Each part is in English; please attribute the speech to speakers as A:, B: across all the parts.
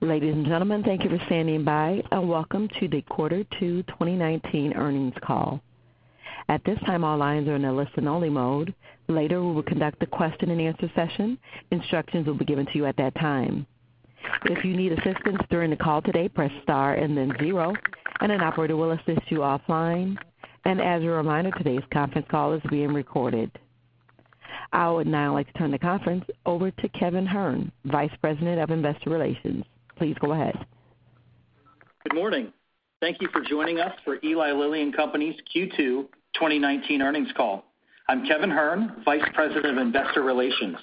A: Ladies and gentlemen, thank you for standing by, welcome to the Quarter Two 2019 earnings call. At this time, all lines are in a listen-only mode. Later, we will conduct a question and answer session. Instructions will be given to you at that time. If you need assistance during the call today, press star and then zero, and an operator will assist you offline. As a reminder, today's conference call is being recorded. I would now like to turn the conference over to Kevin Hern, Vice President of Investor Relations. Please go ahead.
B: Good morning. Thank you for joining us for Eli Lilly and Company's Q2 2019 earnings call. I'm Kevin Hern, Vice President of Investor Relations.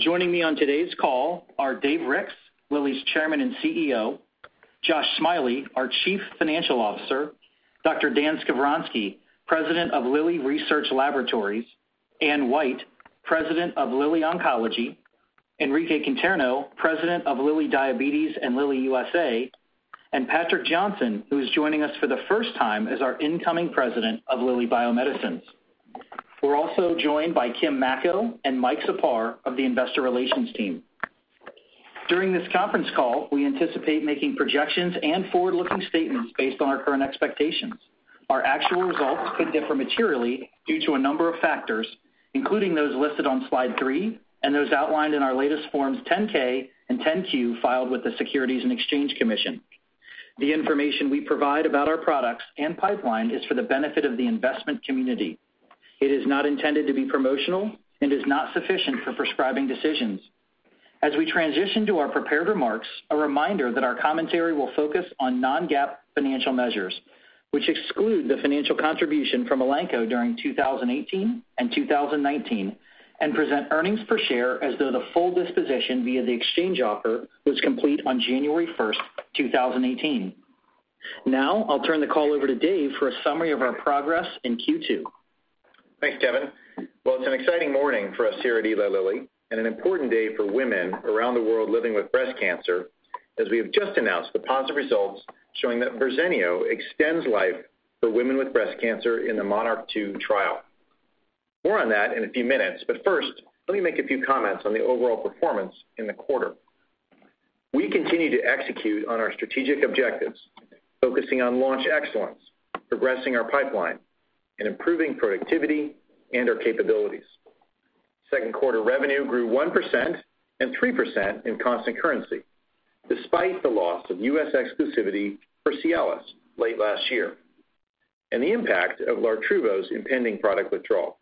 B: Joining me on today's call are Dave Ricks, Lilly's Chairman and CEO, Josh Smiley, our Chief Financial Officer, Dr. Dan Skovronsky, President of Lilly Research Laboratories, Anne White, President of Lilly Oncology, Enrique Conterno, President of Lilly Diabetes and Lilly USA, and Patrik Jonsson, who's joining us for the first time as our incoming President of Lilly Bio-Medicines. We're also joined by Kim Macko and Mike Sepah of the Investor Relations team. During this conference call, we anticipate making projections and forward-looking statements based on our current expectations. Our actual results could differ materially due to a number of factors, including those listed on slide three and those outlined in our latest forms 10-K and 10-Q filed with the Securities and Exchange Commission. The information we provide about our products and pipeline is for the benefit of the investment community. It is not intended to be promotional and is not sufficient for prescribing decisions. As we transition to our prepared remarks, a reminder that our commentary will focus on non-GAAP financial measures, which exclude the financial contribution from Elanco during 2018 and 2019, and present earnings per share as though the full disposition via the exchange offer was complete on January 1st, 2018. Now, I'll turn the call over to Dave for a summary of our progress in Q2.
C: Thanks, Kevin. It's an exciting morning for us here at Eli Lilly and Company and an important day for women around the world living with breast cancer, as we have just announced the positive results showing that Verzenio extends life for women with breast cancer in the MONARCH 2 trial. More on that in a few minutes, first, let me make a few comments on the overall performance in the quarter. We continue to execute on our strategic objectives, focusing on launch excellence, progressing our pipeline, and improving productivity and our capabilities. Second quarter revenue grew 1% and 3% in constant currency, despite the loss of U.S. exclusivity for Cialis late last year and the impact of LARTRUVO's impending product withdrawal.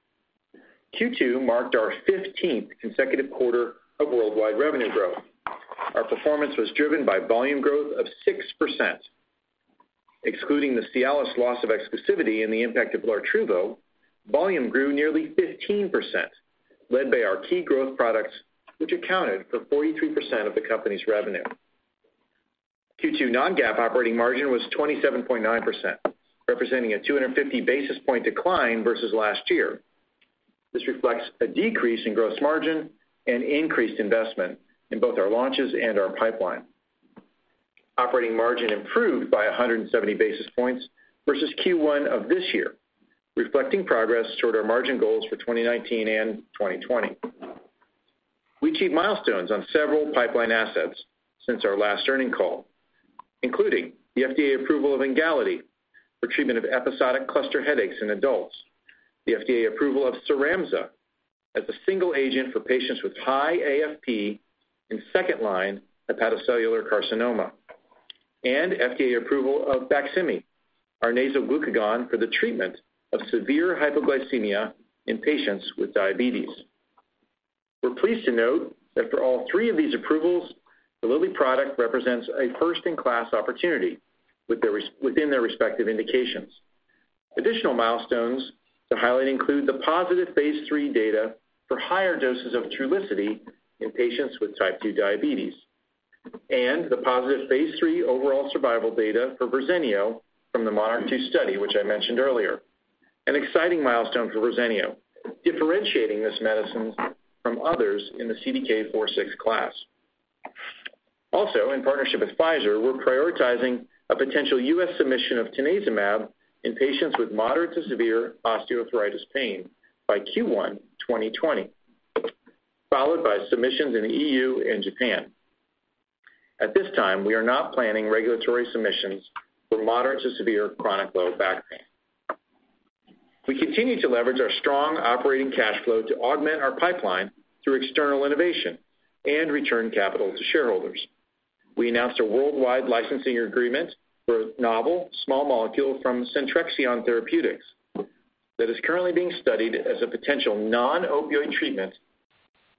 C: Q2 marked our 15th consecutive quarter of worldwide revenue growth. Our performance was driven by volume growth of 6%. Excluding the CIALIS loss of exclusivity and the impact of LARTRUVO, volume grew nearly 15%, led by our key growth products, which accounted for 43% of the company's revenue. Q2 non-GAAP operating margin was 27.9%, representing a 250-basis point decline versus last year. This reflects a decrease in gross margin and increased investment in both our launches and our pipeline. Operating margin improved by 170 basis points versus Q1 of this year, reflecting progress toward our margin goals for 2019 and 2020. We achieved milestones on several pipeline assets since our last earning call, including the FDA approval of Emgality for treatment of episodic cluster headaches in adults, the FDA approval of CYRAMZA as a single agent for patients with high AFP in second-line hepatocellular carcinoma, and FDA approval of BAQSIMI, our nasal glucagon for the treatment of severe hypoglycemia in patients with diabetes. We're pleased to note that for all three of these approvals, the Lilly product represents a first-in-class opportunity within their respective indications. Additional milestones to highlight include the positive phase III data for higher doses of Trulicity in patients with type II diabetes and the positive phase III overall survival data for Verzenio from the MONARCH 2 study, which I mentioned earlier, an exciting milestone for Verzenio, differentiating this medicine from others in the CDK 4/6 class. In partnership with Pfizer, we're prioritizing a potential U.S. submission of tanezumab in patients with moderate to severe osteoarthritis pain by Q1 2020, followed by submissions in the EU and Japan. At this time, we are not planning regulatory submissions for moderate to severe chronic low back pain. We continue to leverage our strong operating cash flow to augment our pipeline through external innovation and return capital to shareholders. We announced a worldwide licensing agreement for a novel small molecule from Centrexion Therapeutics that is currently being studied as a potential non-opioid treatment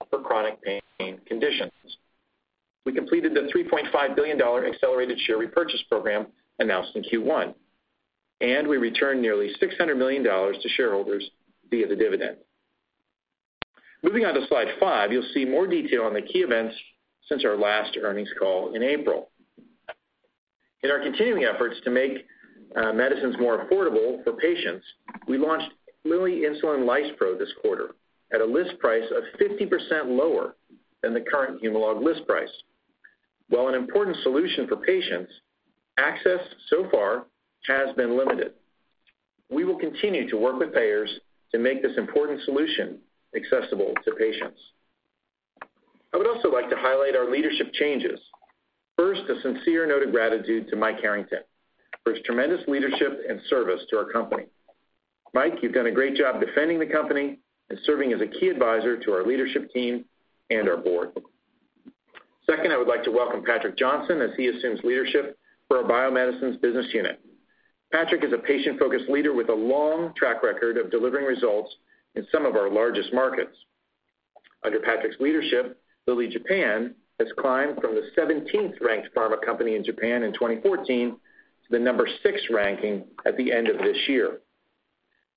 C: for chronic pain conditions. We completed the $3.5 billion accelerated share repurchase program announced in Q1, and we returned nearly $600 million to shareholders via the dividend. Moving on to slide five, you'll see more detail on the key events since our last earnings call in April. In our continuing efforts to make medicines more affordable for patients, we launched Lilly Insulin Lispro this quarter at a list price of 50% lower than the current HUMALOG list price. While an important solution for patients, access so far has been limited. We will continue to work with payers to make this important solution accessible to patients. I would also like to highlight our leadership changes. First, a sincere note of gratitude to Mike Harrington for his tremendous leadership and service to our company. Mike, you've done a great job defending the company and serving as a key advisor to our leadership team and our board. Second, I would like to welcome Patrik Jonsson as he assumes leadership for our Bio-Medicines business unit. Patrik is a patient-focused leader with a long track record of delivering results in some of our largest markets. Under Patrik's leadership, Lilly Japan has climbed from the 17th ranked pharma company in Japan in 2014 to the number 6 ranking at the end of this year.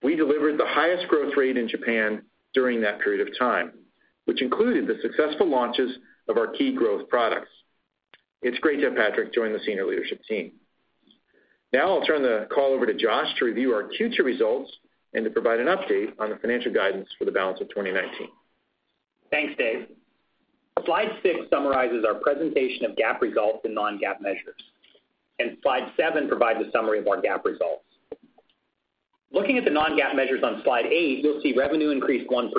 C: We delivered the highest growth rate in Japan during that period of time, which included the successful launches of our key growth products. It's great to have Patrik join the senior leadership team. Now I'll turn the call over to Josh to review our Q2 results and to provide an update on the financial guidance for the balance of 2019.
D: Thanks, Dave. Slide six summarizes our presentation of GAAP results and non-GAAP measures. Slide seven provides a summary of our GAAP results. Looking at the non-GAAP measures on Slide eight, you'll see revenue increased 1%.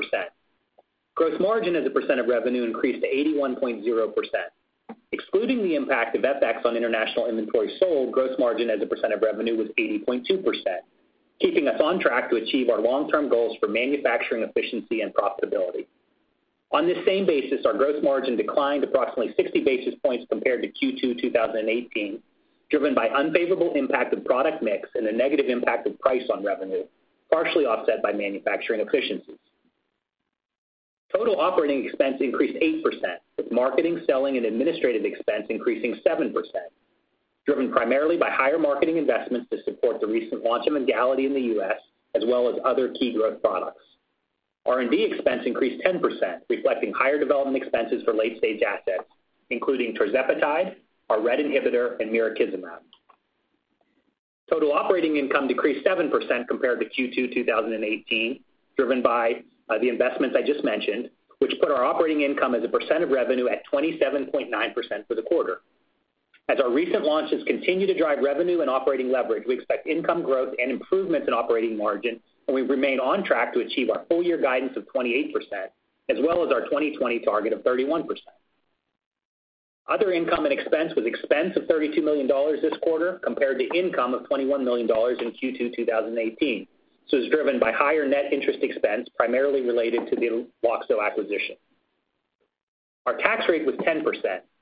D: Gross margin as a percent of revenue increased to 81.0%. Excluding the impact of FX on international inventory sold, gross margin as a percent of revenue was 80.2%, keeping us on track to achieve our long-term goals for manufacturing efficiency and profitability. On this same basis, our gross margin declined approximately 60 basis points compared to Q2 2018, driven by unfavorable impact of product mix and a negative impact of price on revenue, partially offset by manufacturing efficiencies. Total operating expense increased 8%, with marketing, selling, and administrative expense increasing 7%, driven primarily by higher marketing investments to support the recent launch of Emgality in the U.S., as well as other key growth products. R&D expense increased 10%, reflecting higher development expenses for late-stage assets, including tirzepatide, our RET inhibitor, and mirikizumab. Total operating income decreased 7% compared to Q2 2018, driven by the investments I just mentioned, which put our operating income as a percent of revenue at 27.9% for the quarter. We remain on track to achieve our full-year guidance of 28%, as well as our 2020 target of 31%. Other income and expense was expense of $32 million this quarter, compared to income of $21 million in Q2 2018. This was driven by higher net interest expense, primarily related to the Loxo acquisition. Our tax rate was 10%,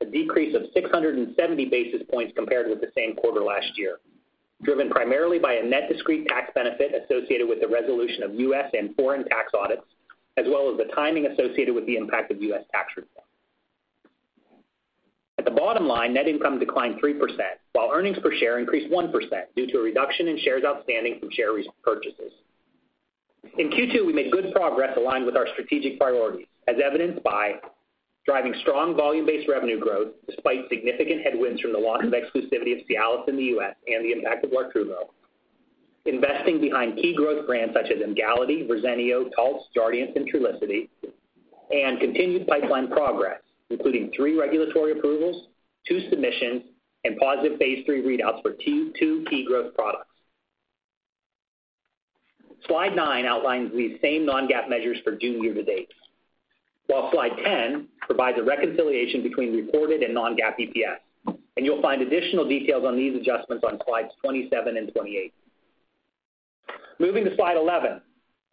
D: a decrease of 670 basis points compared with the same quarter last year, driven primarily by a net discrete tax benefit associated with the resolution of U.S. and foreign tax audits, as well as the timing associated with the impact of U.S. tax reform. At the bottom line, net income declined 3%, while earnings per share increased 1% due to a reduction in shares outstanding from share repurchases. In Q2, we made good progress aligned with our strategic priorities, as evidenced by driving strong volume-based revenue growth despite significant headwinds from the loss of exclusivity of CIALIS in the U.S. and the impact of LARTRUVO; investing behind key growth brands such as Emgality, Verzenio, Taltz, Jardiance, and Trulicity; and continued pipeline progress, including three regulatory approvals, two submissions, and positive phase III readouts for two key growth products. Slide nine outlines these same non-GAAP measures for June year-to-date, while Slide 10 provides a reconciliation between reported and non-GAAP EPS. You'll find additional details on these adjustments on Slides 27 and 28. Moving to Slide 11,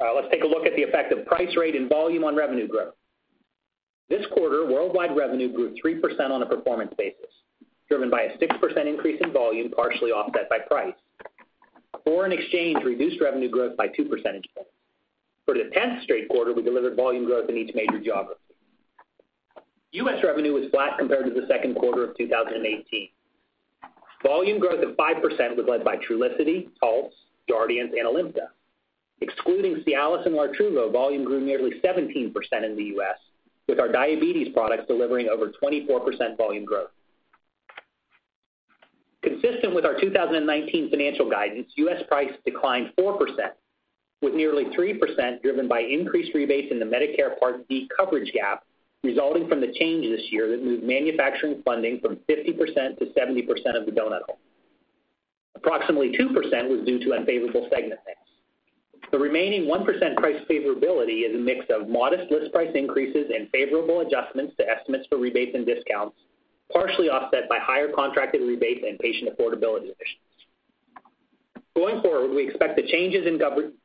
D: let's take a look at the effect of price rate and volume on revenue growth. This quarter, worldwide revenue grew 3% on a performance basis, driven by a 6% increase in volume, partially offset by price. Foreign exchange reduced revenue growth by two percentage points. For the 10th straight quarter, we delivered volume growth in each major geography. U.S. revenue was flat compared to the second quarter of 2018. Volume growth of 5% was led by Trulicity, Taltz, Jardiance, and Olumiant. Excluding CIALIS and LARTRUVO, volume grew nearly 17% in the U.S., with our diabetes products delivering over 24% volume growth. Consistent with our 2019 financial guidance, U.S. price declined 4%, with nearly 3% driven by increased rebates in the Medicare Part D coverage gap, resulting from the change this year that moved manufacturing funding from 50%-70% of the donut hole. Approximately 2% was due to unfavorable segment mix. The remaining 1% price favorability is a mix of modest list price increases and favorable adjustments to estimates for rebates and discounts, partially offset by higher contracted rebates and patient affordability initiatives. We expect the changes in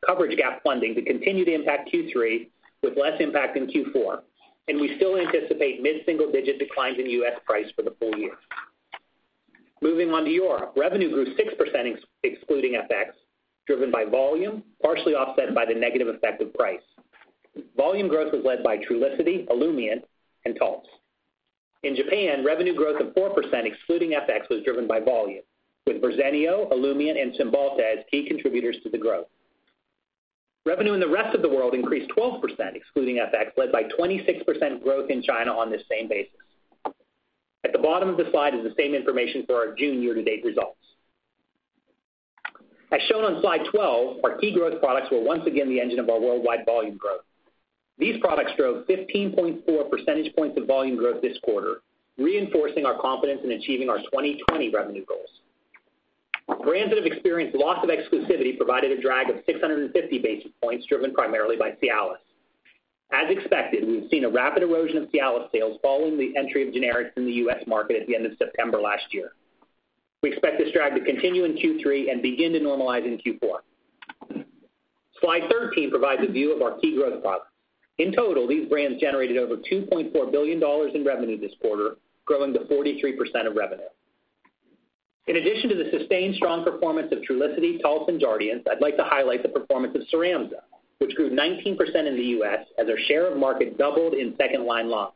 D: coverage gap funding to continue to impact Q3, with less impact in Q4, and we still anticipate mid-single-digit declines in U.S. price for the full year. Moving on to Europe. Revenue grew 6% excluding FX, driven by volume, partially offset by the negative effect of price. Volume growth was led by Trulicity, Olumiant, and Taltz. In Japan, revenue growth of 4% excluding FX was driven by volume, with Verzenio, Olumiant, and Cymbalta as key contributors to the growth. Revenue in the rest of the world increased 12% excluding FX, led by 26% growth in China on this same basis. At the bottom of the slide is the same information for our June year-to-date results. As shown on slide 12, our key growth products were once again the engine of our worldwide volume growth. These products drove 15.4 percentage points of volume growth this quarter, reinforcing our confidence in achieving our 2020 revenue goals. Brands that have experienced loss of exclusivity provided a drag of 650 basis points, driven primarily by Cialis. As expected, we've seen a rapid erosion of Cialis sales following the entry of generics in the U.S. market at the end of September last year. We expect this drag to continue in Q3 and begin to normalize in Q4. Slide 13 provides a view of our key growth products. In total, these brands generated over $2.4 billion in revenue this quarter, growing to 43% of revenue. In addition to the sustained strong performance of Trulicity, Taltz, and Jardiance, I'd like to highlight the performance of CYRAMZA, which grew 19% in the U.S. as our share of market doubled in second-line lung.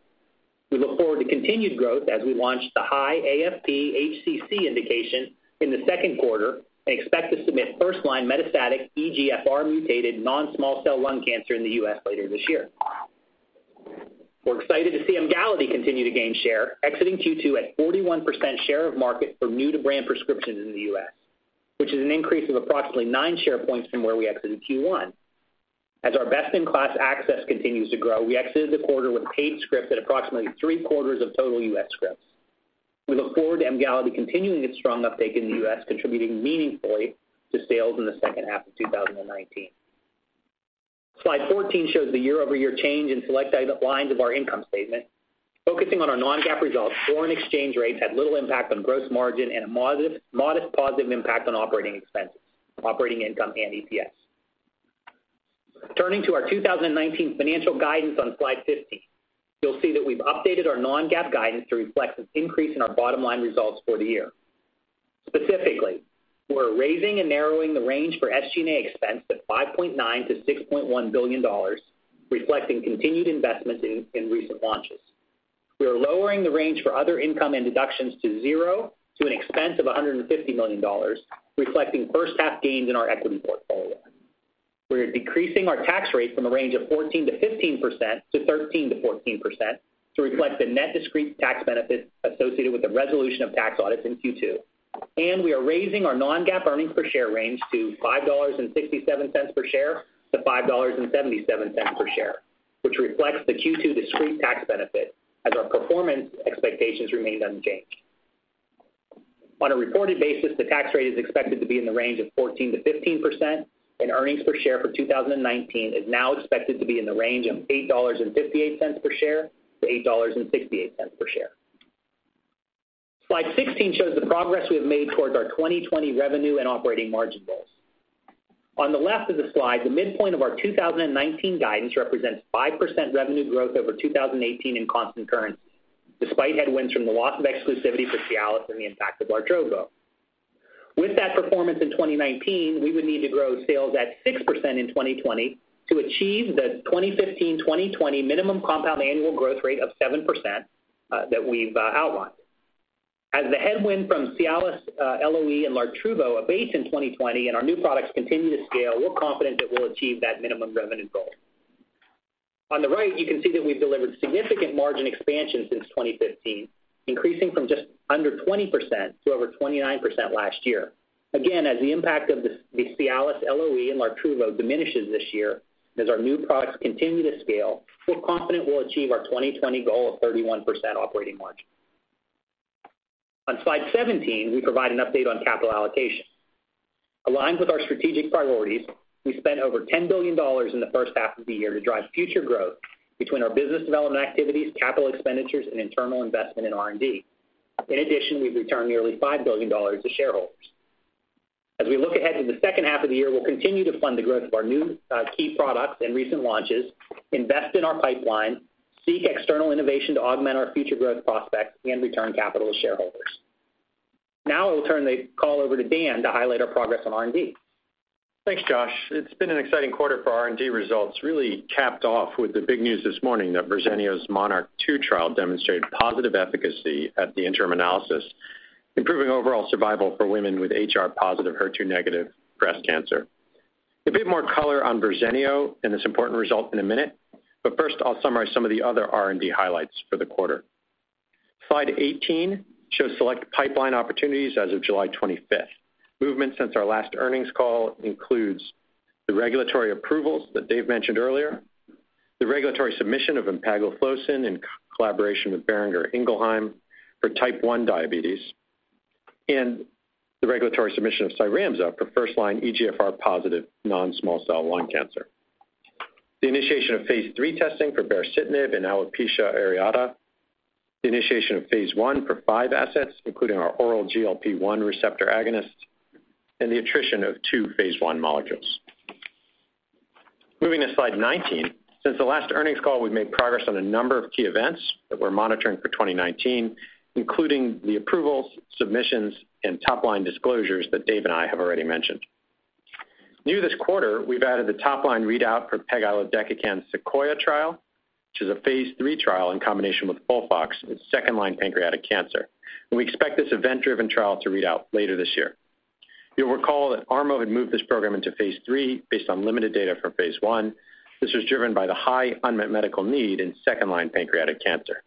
D: We look forward to continued growth as we launch the high AFP HCC indication in the second quarter and expect to submit first-line metastatic EGFR mutated non-small cell lung cancer in the U.S. later this year. We're excited to see Emgality continue to gain share, exiting Q2 at 41% share of market for new-to-brand prescriptions in the U.S., which is an increase of approximately nine share points from where we exited Q1. As our best-in-class access continues to grow, we exited the quarter with paid scripts at approximately three-quarters of total U.S. scripts. We look forward to Emgality continuing its strong uptake in the U.S., contributing meaningfully to sales in the second half of 2019. Slide 14 shows the year-over-year change in select lines of our income statement. Focusing on our non-GAAP results, foreign exchange rates had little impact on gross margin and a modest positive impact on operating expenses, operating income, and EPS. Turning to our 2019 financial guidance on Slide 15, you'll see that we've updated our non-GAAP guidance to reflect an increase in our bottom-line results for the year. Specifically, we're raising and narrowing the range for SG&A expense to $5.9 billion-$6.1 billion, reflecting continued investments in recent launches. We are lowering the range for other income and deductions to zero to an expense of $150 million, reflecting first half gains in our equity portfolio. We are decreasing our tax rate from a range of 14%-15% to 13%-14% to reflect the net discrete tax benefit associated with the resolution of tax audits in Q2. We are raising our non-GAAP earnings per share range to $5.67 per share-$5.77 per share, which reflects the Q2 discrete tax benefit as our performance expectations remain unchanged. On a reported basis, the tax rate is expected to be in the range of 14%-15%, and earnings per share for 2019 is now expected to be in the range of $8.58 per share-$8.68 per share. Slide 16 shows the progress we have made towards our 2020 revenue and operating margin goals. On the left of the slide, the midpoint of our 2019 guidance represents 5% revenue growth over 2018 in constant currency, despite headwinds from the loss of exclusivity for Cialis and the impact of LARTRUVO. With that performance in 2019, we would need to grow sales at 6% in 2020 to achieve the 2015-2020 minimum compound annual growth rate of 7% that we've outlined. As the headwind from Cialis LOE and LARTRUVO abates in 2020 and our new products continue to scale, we're confident that we'll achieve that minimum revenue goal. On the right, you can see that we've delivered significant margin expansion since 2015, increasing from just under 20% to over 29% last year. Again, as the impact of the Cialis LOE and LARTRUVO diminishes this year, as our new products continue to scale, we're confident we'll achieve our 2020 goal of 31% operating margin. On Slide 17, we provide an update on capital allocation. Aligned with our strategic priorities, we spent over $10 billion in the first half of the year to drive future growth between our business development activities, capital expenditures, and internal investment in R&D. In addition, we've returned nearly $5 billion to shareholders. As we look ahead to the second half of the year, we'll continue to fund the growth of our new key products and recent launches, invest in our pipeline, seek external innovation to augment our future growth prospects, and return capital to shareholders. Now I will turn the call over to Dan to highlight our progress on R&D.
E: Thanks, Josh. It's been an exciting quarter for R&D results, really capped off with the big news this morning that Verzenio's MONARCH-2 trial demonstrated positive efficacy at the interim analysis, improving overall survival for women with HR-positive, HER2-negative breast cancer. A bit more color on Verzenio and this important result in a minute. First, I'll summarize some of the other R&D highlights for the quarter. Slide 18 shows select pipeline opportunities as of July 25th. Movement since our last earnings call includes the regulatory approvals that Dave mentioned earlier, the regulatory submission of empagliflozin in collaboration with Boehringer Ingelheim for type I diabetes, the regulatory submission of Cyramza for first-line EGFR-positive non-small cell lung cancer. The initiation of phase III testing for baricitinib in alopecia areata, the initiation of phase I for five assets, including our oral GLP-1 receptor agonist, the attrition of two phase I molecules. Moving to slide 19, since the last earnings call, we've made progress on a number of key events that we're monitoring for 2019, including the approvals, submissions, and top-line disclosures that Dave and I have already mentioned. New this quarter, we've added the top-line readout for pegilodecakin SEQUOIA trial, which is a phase III trial in combination with FOLFOX in second-line pancreatic cancer. We expect this event-driven trial to read out later this year. You'll recall that ARMO had moved this program into phase III based on limited data from phase I. This was driven by the high unmet medical need in second-line pancreatic cancer.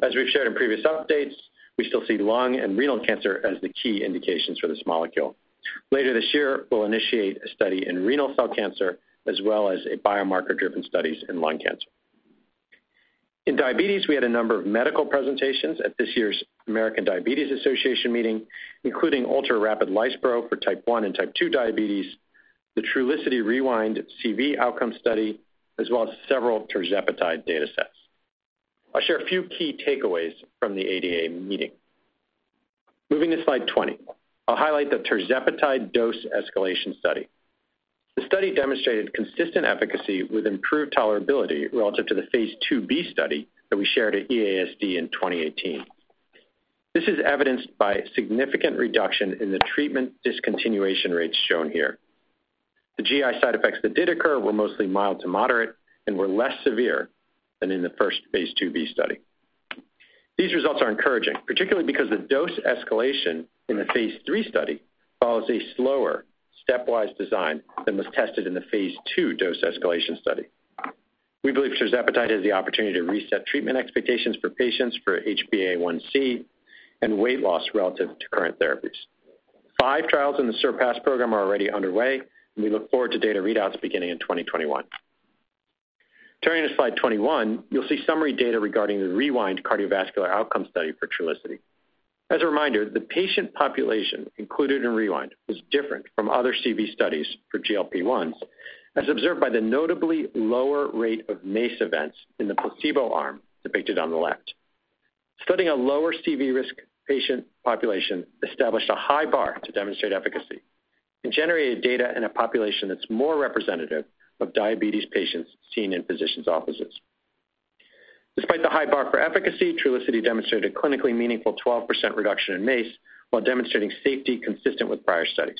E: As we've shared in previous updates, we still see lung and renal cancer as the key indications for this molecule. Later this year, we'll initiate a study in renal cell cancer as well as a biomarker-driven study in lung cancer. In diabetes, we had a number of medical presentations at this year's American Diabetes Association meeting, including ultrarapid lispro for type I and type II diabetes, the Trulicity REWIND CV outcome study, as well as several tirzepatide data sets. I will share a few key takeaways from the ADA meeting. Moving to slide 20, I will highlight the tirzepatide dose escalation study. The study demonstrated consistent efficacy with improved tolerability relative to the phase IIb study that we shared at EASD in 2018. This is evidenced by a significant reduction in the treatment discontinuation rates shown here. The GI side effects that did occur were mostly mild to moderate and were less severe than in the first phase IIb study. These results are encouraging, particularly because the dose escalation in the phase III study follows a slower stepwise design than was tested in the phase II dose escalation study. We believe tirzepatide has the opportunity to reset treatment expectations for patients for HbA1c and weight loss relative to current therapies. Five trials in the SURPASS program are already underway, and we look forward to data readouts beginning in 2021. Turning to slide 21, you'll see summary data regarding the REWIND cardiovascular outcome study for Trulicity. As a reminder, the patient population included in REWIND was different from other CV studies for GLP-1s, as observed by the notably lower rate of MACE events in the placebo arm depicted on the left. Studying a lower CV risk patient population established a high bar to demonstrate efficacy and generated data in a population that's more representative of diabetes patients seen in physicians' offices. Despite the high bar for efficacy, Trulicity demonstrated clinically meaningful 12% reduction in MACE while demonstrating safety consistent with prior studies.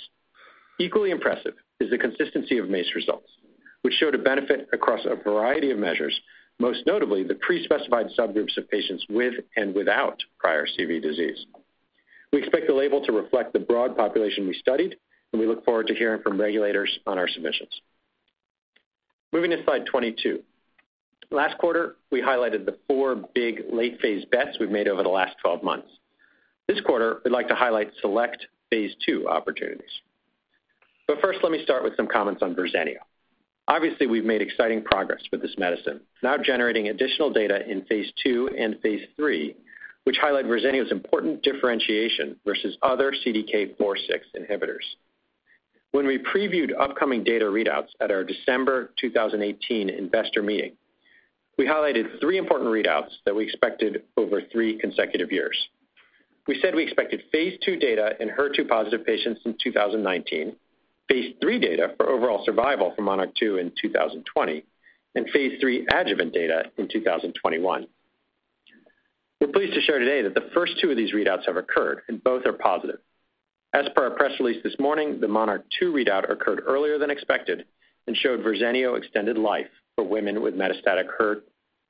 E: Equally impressive is the consistency of MACE results, which showed a benefit across a variety of measures, most notably the pre-specified subgroups of patients with and without prior CV disease. We expect the label to reflect the broad population we studied, and we look forward to hearing from regulators on our submissions. Moving to slide 22. Last quarter, we highlighted the four big late-phase bets we've made over the last 12 months. This quarter, we'd like to highlight select phase II opportunities. First, let me start with some comments on Verzenio. Obviously, we've made exciting progress with this medicine, now generating additional data in phase II and phase III, which highlight Verzenio's important differentiation versus other CDK4/6 inhibitors. When we previewed upcoming data readouts at our December 2018 investor meeting, we highlighted three important readouts that we expected over three consecutive years. We said we expected phase II data in HER2-positive patients in 2019, phase III data for overall survival for MONARCH 2 in 2020, phase III adjuvant data in 2021. We're pleased to share today that the first two of these readouts have occurred, both are positive. As per our press release this morning, the MONARCH 2 readout occurred earlier than expected and showed Verzenio extended life for women with metastatic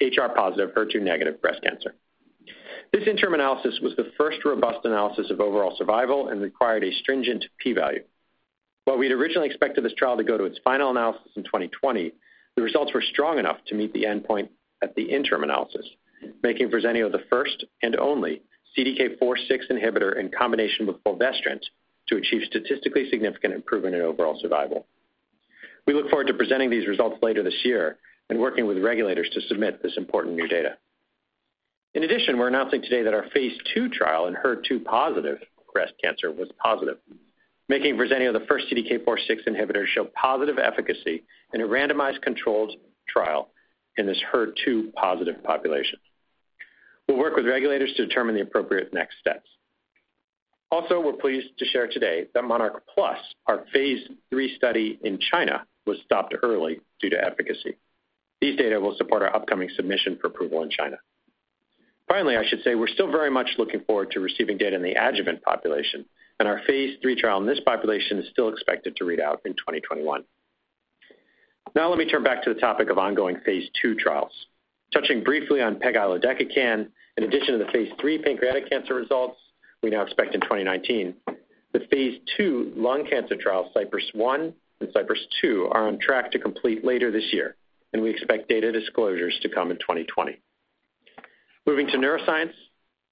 E: HR-positive, HER2-negative breast cancer. This interim analysis was the first robust analysis of overall survival and required a stringent P value. While we'd originally expected this trial to go to its final analysis in 2020, the results were strong enough to meet the endpoint at the interim analysis, making Verzenio the first and only CDK4/6 inhibitor in combination with fulvestrant to achieve statistically significant improvement in overall survival. We look forward to presenting these results later this year and working with regulators to submit this important new data. We're announcing today that our phase II trial in HER2-positive breast cancer was positive, making Verzenio the first CDK4/6 inhibitor to show positive efficacy in a randomized controlled trial in this HER2-positive population. We'll work with regulators to determine the appropriate next steps. We're pleased to share today that MONARCH+, our phase III study in China, was stopped early due to efficacy. These data will support our upcoming submission for approval in China. I should say we're still very much looking forward to receiving data in the adjuvant population, and our phase III trial in this population is still expected to read out in 2021. Let me turn back to the topic of ongoing phase II trials. Touching briefly on pegilodecakin, in addition to the phase III pancreatic cancer results we now expect in 2019, the phase II lung cancer trials, CYPRESS 1 and CYPRESS 2, are on track to complete later this year. We expect data disclosures to come in 2020. Moving to neuroscience,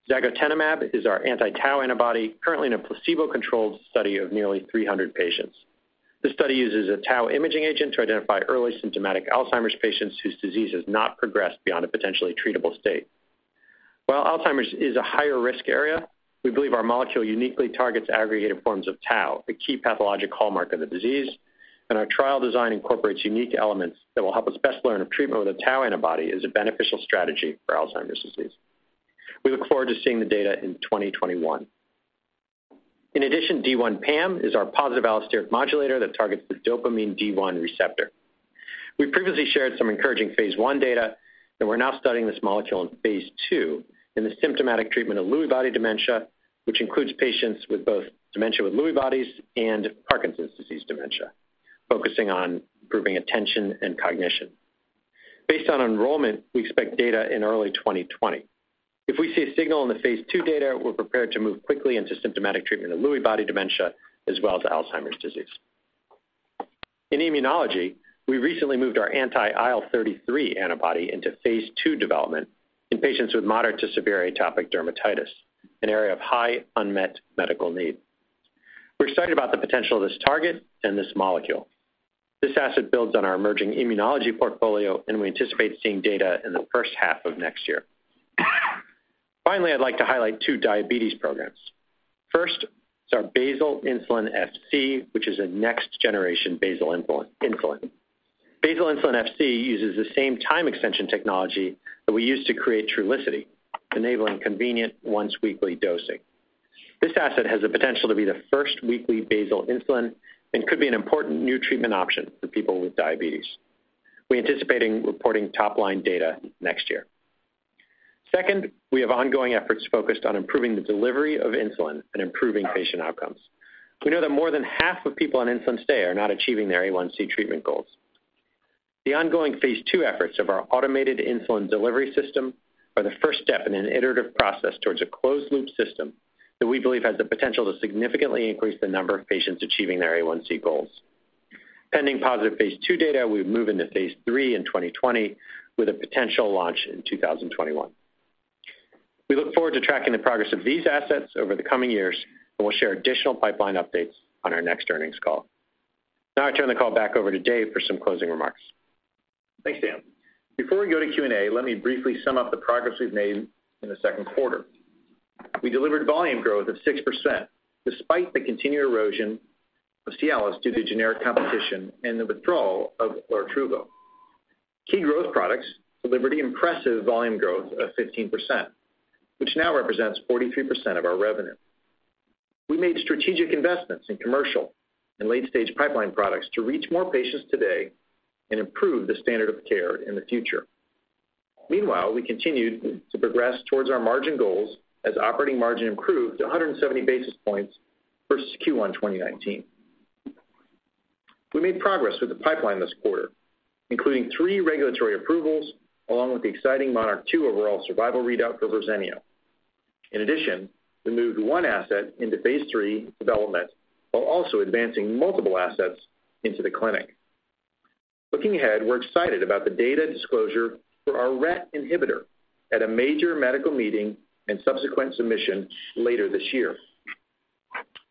E: donanemab is our anti-tau antibody currently in a placebo-controlled study of nearly 300 patients. This study uses a tau imaging agent to identify early symptomatic Alzheimer's patients whose disease has not progressed beyond a potentially treatable state. While Alzheimer's is a higher-risk area, we believe our molecule uniquely targets aggregated forms of tau, the key pathologic hallmark of the disease. Our trial design incorporates unique elements that will help us best learn if treatment with a tau antibody is a beneficial strategy for Alzheimer's disease. We look forward to seeing the data in 2021. In addition, D1PAM is our positive allosteric modulator that targets the dopamine D1 receptor. We previously shared some encouraging phase I data, and we're now studying this molecule in phase II in the symptomatic treatment of Lewy body dementia, which includes patients with both dementia with Lewy bodies and Parkinson's disease dementia, focusing on improving attention and cognition. Based on enrollment, we expect data in early 2020. If we see a signal in the phase II data, we're prepared to move quickly into symptomatic treatment of Lewy body dementia as well as Alzheimer's disease. In immunology, we recently moved our anti-IL-33 antibody into phase II development in patients with moderate to severe atopic dermatitis, an area of high unmet medical need. We're excited about the potential of this target and this molecule. This asset builds on our emerging immunology portfolio, and we anticipate seeing data in the first half of next year. Finally, I'd like to highlight two diabetes programs. First is our basal insulin Fc, which is a next generation basal insulin. Basal insulin Fc uses the same time extension technology that we use to create Trulicity, enabling convenient once-weekly dosing. This asset has the potential to be the first weekly basal insulin and could be an important new treatment option for people with diabetes. We're anticipating reporting top-line data next year. Second, we have ongoing efforts focused on improving the delivery of insulin and improving patient outcomes. We know that more than half of people on insulin today are not achieving their A1C treatment goals. The ongoing phase II efforts of our automated insulin delivery system are the first step in an iterative process towards a closed-loop system that we believe has the potential to significantly increase the number of patients achieving their A1C goals. Pending positive phase II data, we would move into phase III in 2020 with a potential launch in 2021. We look forward to tracking the progress of these assets over the coming years, and we'll share additional pipeline updates on our next earnings call. Now I turn the call back over to Dave for some closing remarks.
C: Thanks, Dan. Before we go to Q&A, let me briefly sum up the progress we've made in the second quarter. We delivered volume growth of 6%, despite the continued erosion of CIALIS due to generic competition and the withdrawal of LARTRUVO. Key growth products delivered impressive volume growth of 15%, which now represents 43% of our revenue. We made strategic investments in commercial and late-stage pipeline products to reach more patients today and improve the standard of care in the future. Meanwhile, we continued to progress towards our margin goals as operating margin improved 170 basis points versus Q1 2019. We made progress with the pipeline this quarter, including three regulatory approvals along with the exciting MONARCH 2 overall survival readout for Verzenio. In addition, we moved one asset into phase III development while also advancing multiple assets into the clinic. Looking ahead, we're excited about the data disclosure for our RET inhibitor at a major medical meeting and subsequent submission later this year.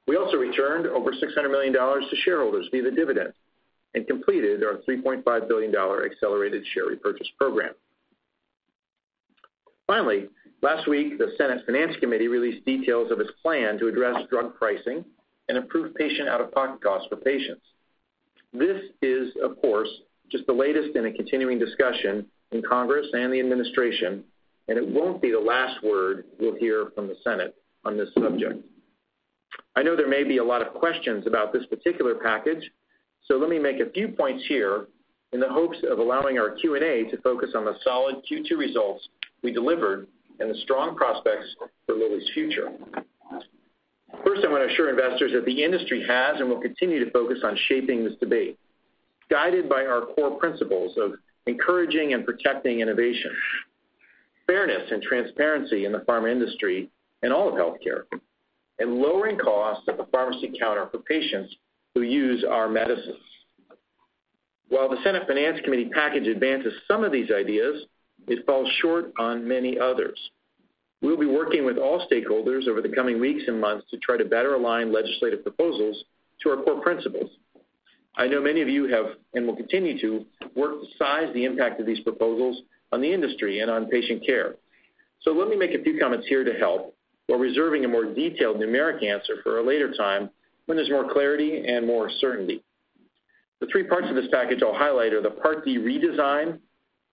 C: We also returned over $600 million to shareholders via the dividend and completed our $3.5 billion accelerated share repurchase program. Finally, last week, the Senate Finance Committee released details of its plan to address drug pricing and improve patient out-of-pocket costs for patients. This is, of course, just the latest in a continuing discussion in Congress and the administration. It won't be the last word we'll hear from the Senate on this subject. I know there may be a lot of questions about this particular package. Let me make a few points here in the hopes of allowing our Q&A to focus on the solid Q2 results we delivered and the strong prospects for Lilly's future. First, I want to assure investors that the industry has and will continue to focus on shaping this debate, guided by our core principles of encouraging and protecting innovation, fairness, and transparency in the pharma industry and all of healthcare, and lowering costs at the pharmacy counter for patients who use our medicines. While the Senate Finance Committee package advances some of these ideas, it falls short on many others. We'll be working with all stakeholders over the coming weeks and months to try to better align legislative proposals to our core principles. I know many of you have, and will continue to, work to size the impact of these proposals on the industry and on patient care. Let me make a few comments here to help while reserving a more detailed numeric answer for a later time when there's more clarity and more certainty. The three parts of this package I'll highlight are the Part D redesign,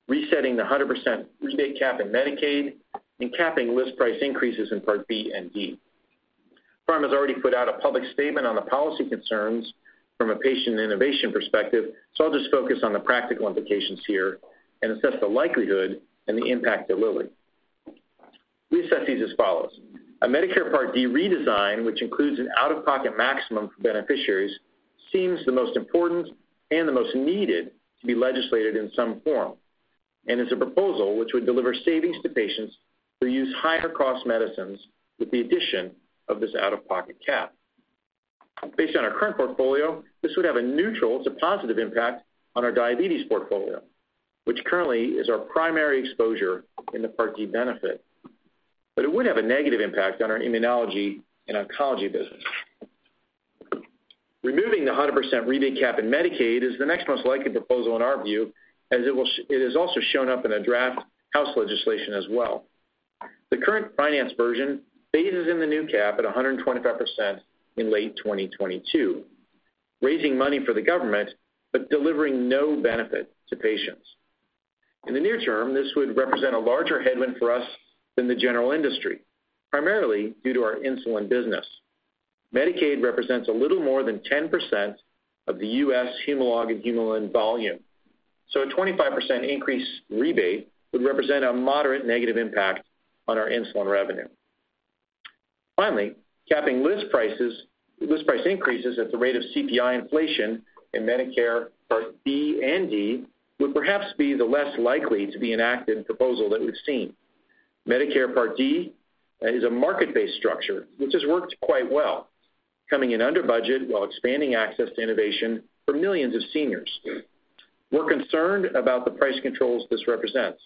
C: resetting the 100% rebate cap in Medicaid, and capping list price increases in Part B and D. PhRMA has already put out a public statement on the policy concerns from a patient and innovation perspective, so I'll just focus on the practical implications here and assess the likelihood and the impact to Lilly. We assess these as follows. A Medicare Part D redesign, which includes an out-of-pocket maximum for beneficiaries, seems the most important and the most needed to be legislated in some form, and is a proposal which would deliver savings to patients who use higher-cost medicines with the addition of this out-of-pocket cap. Based on our current portfolio, this would have a neutral to positive impact on our diabetes portfolio, which currently is our primary exposure in the Part D benefit. It would have a negative impact on our immunology and oncology business. Removing the 100% rebate cap in Medicaid is the next most likely proposal in our view, as it has also shown up in a draft House legislation as well. The current finance version phases in the new cap at 125% in late 2022, raising money for the government but delivering no benefit to patients. In the near term, this would represent a larger headwind for us than the general industry, primarily due to our insulin business. Medicaid represents a little more than 10% of the U.S. HUMALOG and HUMULIN volume. A 25% increase rebate would represent a moderate negative impact on our insulin revenue. Capping list price increases at the rate of CPI inflation in Medicare Part B and D would perhaps be the less likely to be enacted proposal that we've seen. Medicare Part D is a market-based structure which has worked quite well, coming in under budget while expanding access to innovation for millions of seniors. We're concerned about the price controls this represents,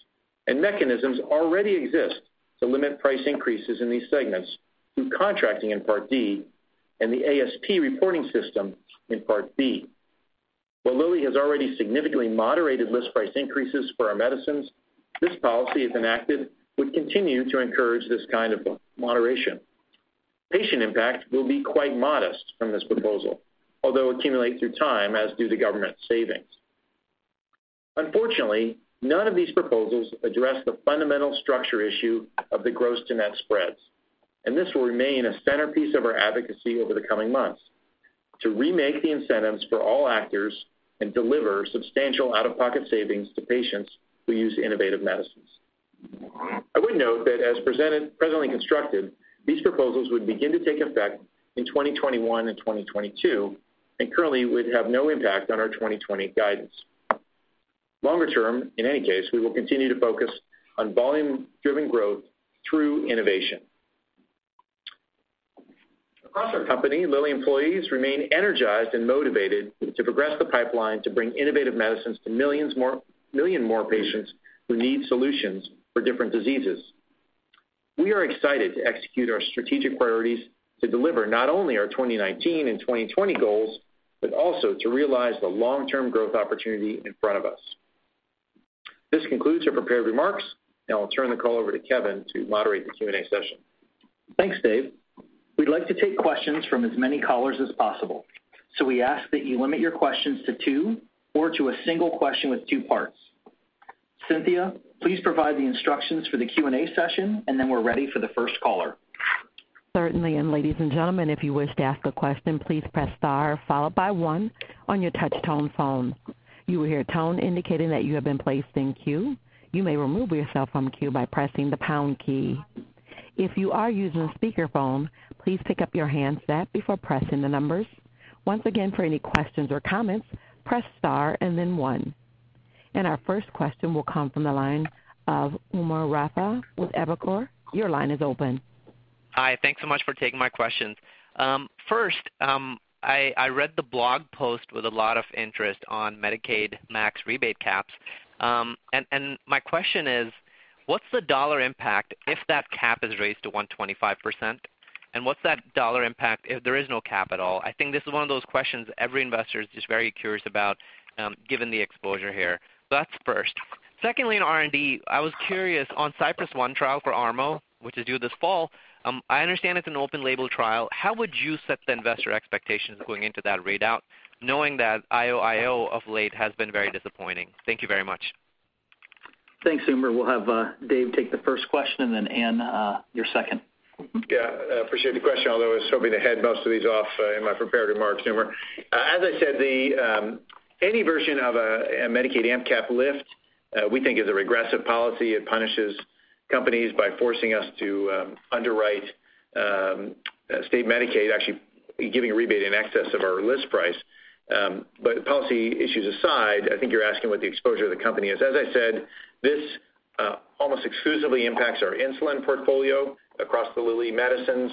C: and mechanisms already exist to limit price increases in these segments through contracting in Part D and the ASP reporting system in Part B. While Lilly has already significantly moderated list price increases for our medicines, this policy, if enacted, would continue to encourage this kind of moderation. Patient impact will be quite modest from this proposal, although accumulate through time, as do the government savings. Unfortunately, none of these proposals address the fundamental structure issue of the gross to net spreads. This will remain a centerpiece of our advocacy over the coming months to remake the incentives for all actors and deliver substantial out-of-pocket savings to patients who use innovative medicines. I would note that as presently constructed, these proposals would begin to take effect in 2021 and 2022 and currently would have no impact on our 2020 guidance. Longer term, in any case, we will continue to focus on volume-driven growth through innovation. Across our company, Lilly employees remain energized and motivated to progress the pipeline to bring innovative medicines to million more patients who need solutions for different diseases. We are excited to execute our strategic priorities to deliver not only our 2019 and 2020 goals, but also to realize the long-term growth opportunity in front of us. This concludes our prepared remarks. I'll turn the call over to Kevin to moderate the Q&A session.
B: Thanks, Dave. We'd like to take questions from as many callers as possible. We ask that you limit your questions to two or to a single question with two parts. Cynthia, please provide the instructions for the Q&A session, and then we're ready for the first caller.
A: Certainly, ladies and gentlemen, if you wish to ask a question, please press star followed by one on your touch tone phone. You will hear a tone indicating that you have been placed in queue. You may remove yourself from queue by pressing the pound key. If you are using a speakerphone, please pick up your handset before pressing the numbers. Once again, for any questions or comments, press star and then one. Our first question will come from the line of Umer Raffat with Evercore. Your line is open.
F: Hi. Thanks so much for taking my questions. First, I read the blog post with a lot of interest on Medicaid max rebate caps. My question is, what's the dollar impact if that cap is raised to 125%? What's that dollar impact if there is no cap at all? I think this is one of those questions every investor is just very curious about given the exposure here. That's first. Secondly, on R&D, I was curious on CYPRESS 1 trial for ARMO, which is due this fall. I understand it's an open label trial. How would you set the investor expectations going into that readout knowing that IO of late has been very disappointing? Thank you very much.
B: Thanks, Umer. We'll have Dave take the first question, and then Anne, you're second.
C: Yeah, appreciate the question, although I was hoping to head most of these off in my prepared remarks, Umer. As I said, any version of a Medicaid amp cap lift we think is a regressive policy. It punishes companies by forcing us to underwrite state Medicaid, actually giving a rebate in excess of our list price. Policy issues aside, I think you're asking what the exposure of the company is. As I said, this almost exclusively impacts our insulin portfolio across the Lilly medicines,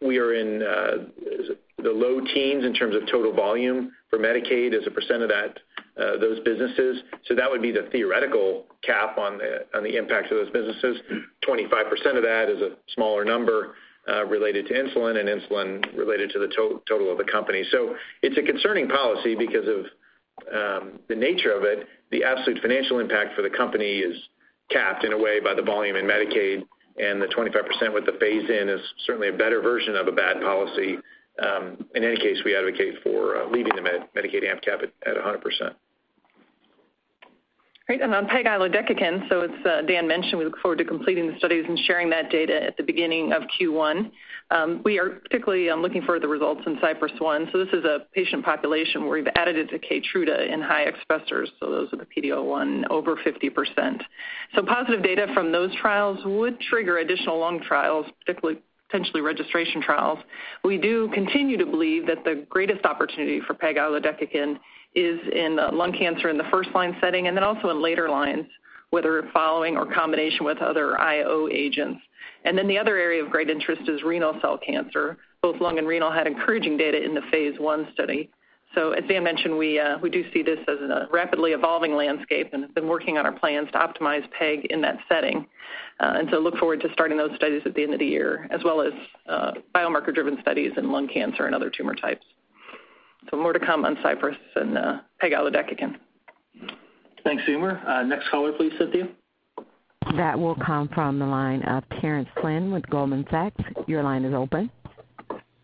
C: we are in the low teens in terms of total volume for Medicaid as a percent of those businesses. That would be the theoretical cap on the impacts of those businesses. 25% of that is a smaller number related to insulin and insulin related to the total of the company. It's a concerning policy because of the nature of it. The absolute financial impact for the company is capped in a way by the volume in Medicaid, and the 25% with the phase-in is certainly a better version of a bad policy. In any case, we advocate for leaving the Medicaid amp cap at 100%.
G: Great. On pegilodecakin, as Dan mentioned, we look forward to completing the studies and sharing that data at the beginning of Q1. We are particularly looking for the results in CYPRESS 1. This is a patient population where we've added it to KEYTRUDA in high expressers. Those with a PD-L1 over 50%. Positive data from those trials would trigger additional lung trials, particularly potentially registration trials. We do continue to believe that the greatest opportunity for pegilodecakin is in lung cancer in the first-line setting and then also in later lines, whether following or combination with other IO agents. The other area of great interest is renal cell cancer. Both lung and renal had encouraging data in the phase I study. As Dan mentioned, we do see this as a rapidly evolving landscape and have been working on our plans to optimize pegilodecakin in that setting. Look forward to starting those studies at the end of the year as well as biomarker driven studies in lung cancer and other tumor types. More to come on CYPRESS and pegilodecakin.
B: Thanks, Umer. Next caller, please, Cynthia.
A: That will come from the line of Terence Flynn with Goldman Sachs. Your line is open.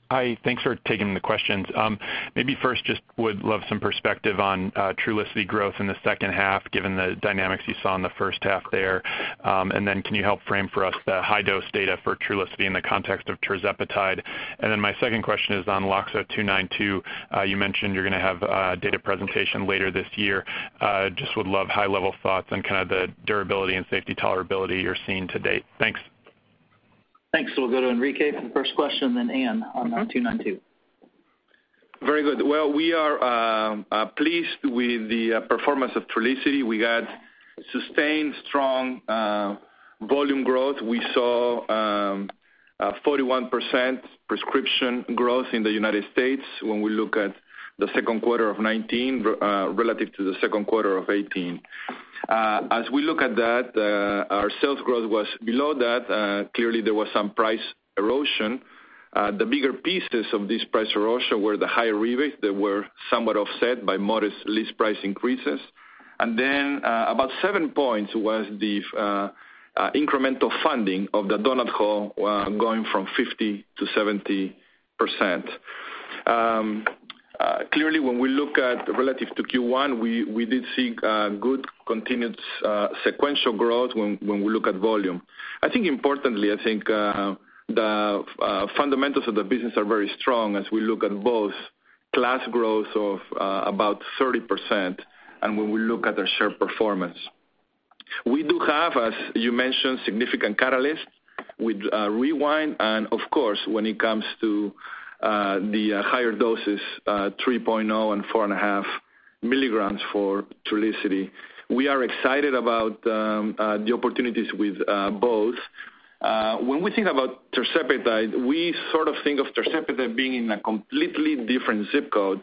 H: Hi. Thanks for taking the questions. First just would love some perspective on Trulicity growth in the second half given the dynamics you saw in the first half there. Can you help frame for us the high dose data for Trulicity in the context of tirzepatide? My second question is on LOXO-292. You mentioned you're going to have a data presentation later this year. Would love high level thoughts on kind of the durability and safety tolerability you're seeing to date. Thanks.
B: Thanks. We'll go to Enrique for the first question, Anne on 292.
I: Very good. Well, we are pleased with the performance of Trulicity. We had sustained strong volume growth. We saw 41% prescription growth in the United States when we look at the second quarter of 2019 relative to the second quarter of 2018. We look at that, our sales growth was below that. Clearly, there was some price erosion. The bigger pieces of this price erosion were the higher rebates that were somewhat offset by modest list price increases. Then about seven points was the incremental funding of the donut hole going from 50%-70%. Clearly, when we look at relative to Q1, we did see good continued sequential growth when we look at volume. I think importantly, I think the fundamentals of the business are very strong as we look at both class growth of about 30% and when we look at their share performance. We do have, as you mentioned, significant catalyst with REWIND and of course, when it comes to the higher doses, 3.0 and 4.5 milligrams for Trulicity. We are excited about the opportunities with both. When we think about tirzepatide, we sort of think of tirzepatide being in a completely different zip code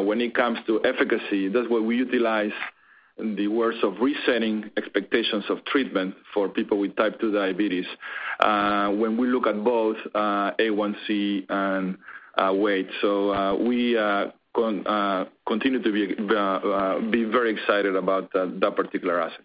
I: when it comes to efficacy. That's why we utilize the words of resetting expectations of treatment for people with type II diabetes, when we look at both A1C and weight. We continue to be very excited about that particular asset.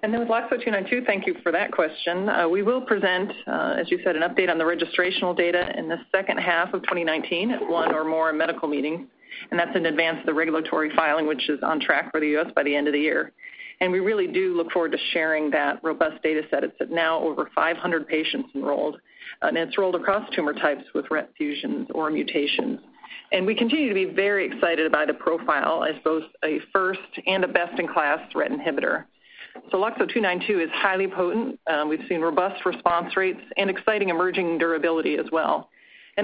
G: With LOXO-292, thank you for that question. We will present, as you said, an update on the registrational data in the second half of 2019 at one or more medical meetings, and that's in advance of the regulatory filing, which is on track for the U.S. by the end of the year. We really do look forward to sharing that robust data set. It's now over 500 patients enrolled, and it's rolled across tumor types with RET fusions or mutations. We continue to be very excited about the profile as both a first and a best-in-class RET inhibitor. LOXO-292 is highly potent. We've seen robust response rates and exciting emerging durability as well.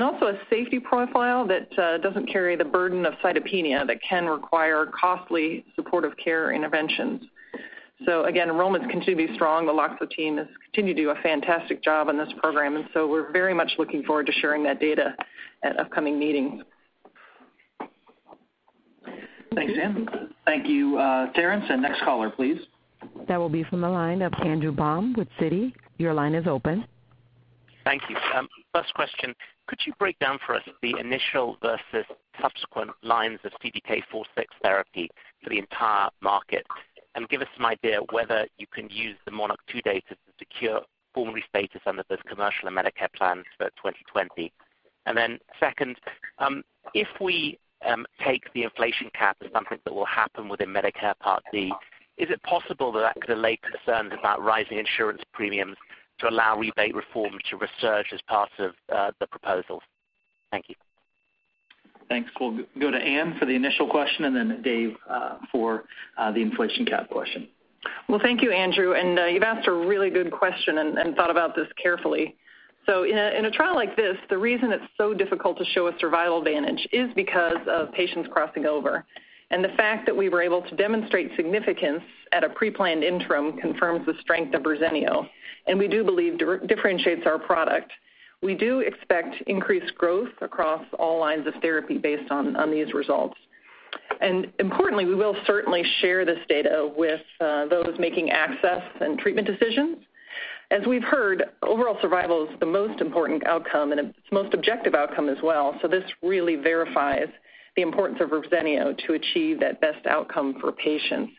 G: Also a safety profile that doesn't carry the burden of cytopenia that can require costly supportive care interventions. Again, enrollment continues to be strong. The LOXO team has continued to do a fantastic job on this program, and so we're very much looking forward to sharing that data at upcoming meetings.
B: Thanks, Anne. Thank you, Terence, and next caller, please.
A: That will be from the line of Andrew Baum with Citi. Your line is open.
J: Thank you. First question, could you break down for us the initial versus subsequent lines of CDK 4/6 therapy for the entire market and give us some idea whether you can use the MONARCH 2 data to secure formulary status under those commercial and Medicare plans for 2020? Second, if we take the inflation cap as something that will happen within Medicare Part D, is it possible that could allay concerns about rising insurance premiums to allow rebate reforms to resurge as part of the proposals? Thank you.
B: Thanks. We'll go to Anne for the initial question and then Dave for the inflation cap question.
G: Thank you, Andrew. You've asked a really good question and thought about this carefully. The fact that we were able to demonstrate significance at a pre-planned interim confirms the strength of Verzenio, and we do believe differentiates our product. We do expect increased growth across all lines of therapy based on these results. Importantly, we will certainly share this data with those making access and treatment decisions. As we've heard, overall survival is the most important outcome, and it's the most objective outcome as well. This really verifies the importance of Verzenio to achieve that best outcome for patients.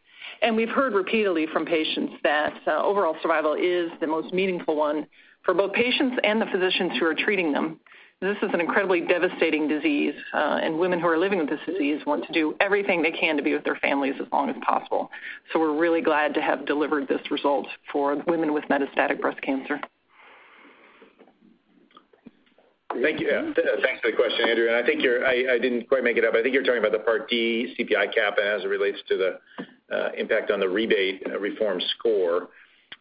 G: We've heard repeatedly from patients that overall survival is the most meaningful one for both patients and the physicians who are treating them. This is an incredibly devastating disease. Women who are living with this disease want to do everything they can to be with their families as long as possible. We're really glad to have delivered this result for women with metastatic breast cancer.
J: Thank you.
C: Thanks for the question, Andrew. I didn't quite make it up. I think you're talking about the Part D CPI cap as it relates to the impact on the rebate reform score.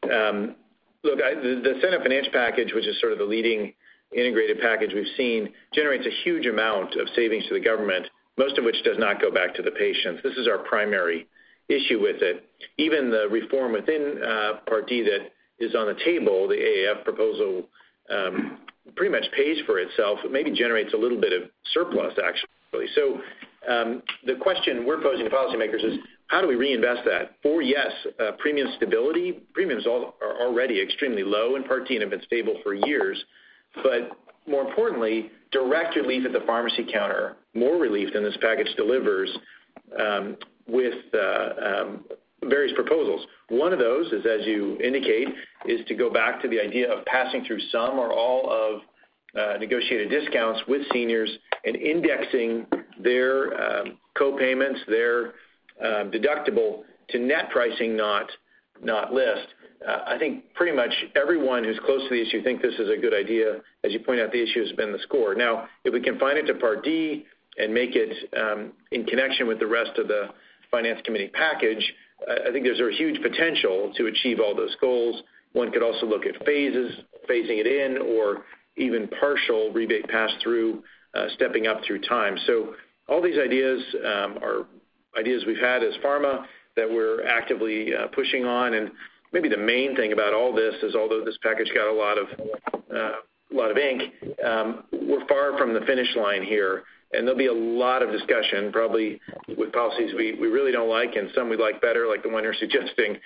C: Look, the Senate finance package, which is sort of the leading integrated package we've seen, generates a huge amount of savings to the government, most of which does not go back to the patients. This is our primary issue with it. Even the reform within Part D that is on the table, the AAF proposal pretty much pays for itself. It maybe generates a little bit of surplus, actually. The question we're posing to policymakers is: how do we reinvest that? For, yes, premium stability. Premiums are already extremely low in Part D and have been stable for years. More importantly, direct relief at the pharmacy counter, more relief than this package delivers with various proposals. One of those is, as you indicate, is to go back to the idea of passing through some or all of negotiated discounts with seniors and indexing their co-payments, their deductible to net pricing, not list. I think pretty much everyone who's close to the issue think this is a good idea. As you point out, the issue has been the score. If we confine it to Part D and make it in connection with the rest of the Finance Committee package, I think there's a huge potential to achieve all those goals. One could also look at phases, phasing it in, or even partial rebate pass-through, stepping up through time. All these ideas are ideas we've had as pharma that we're actively pushing on. Maybe the main thing about all this is, although this package got a lot of ink, we're far from the finish line here, and there'll be a lot of discussion, probably with policies we really don't like and some we'd like better, like the one you're suggesting.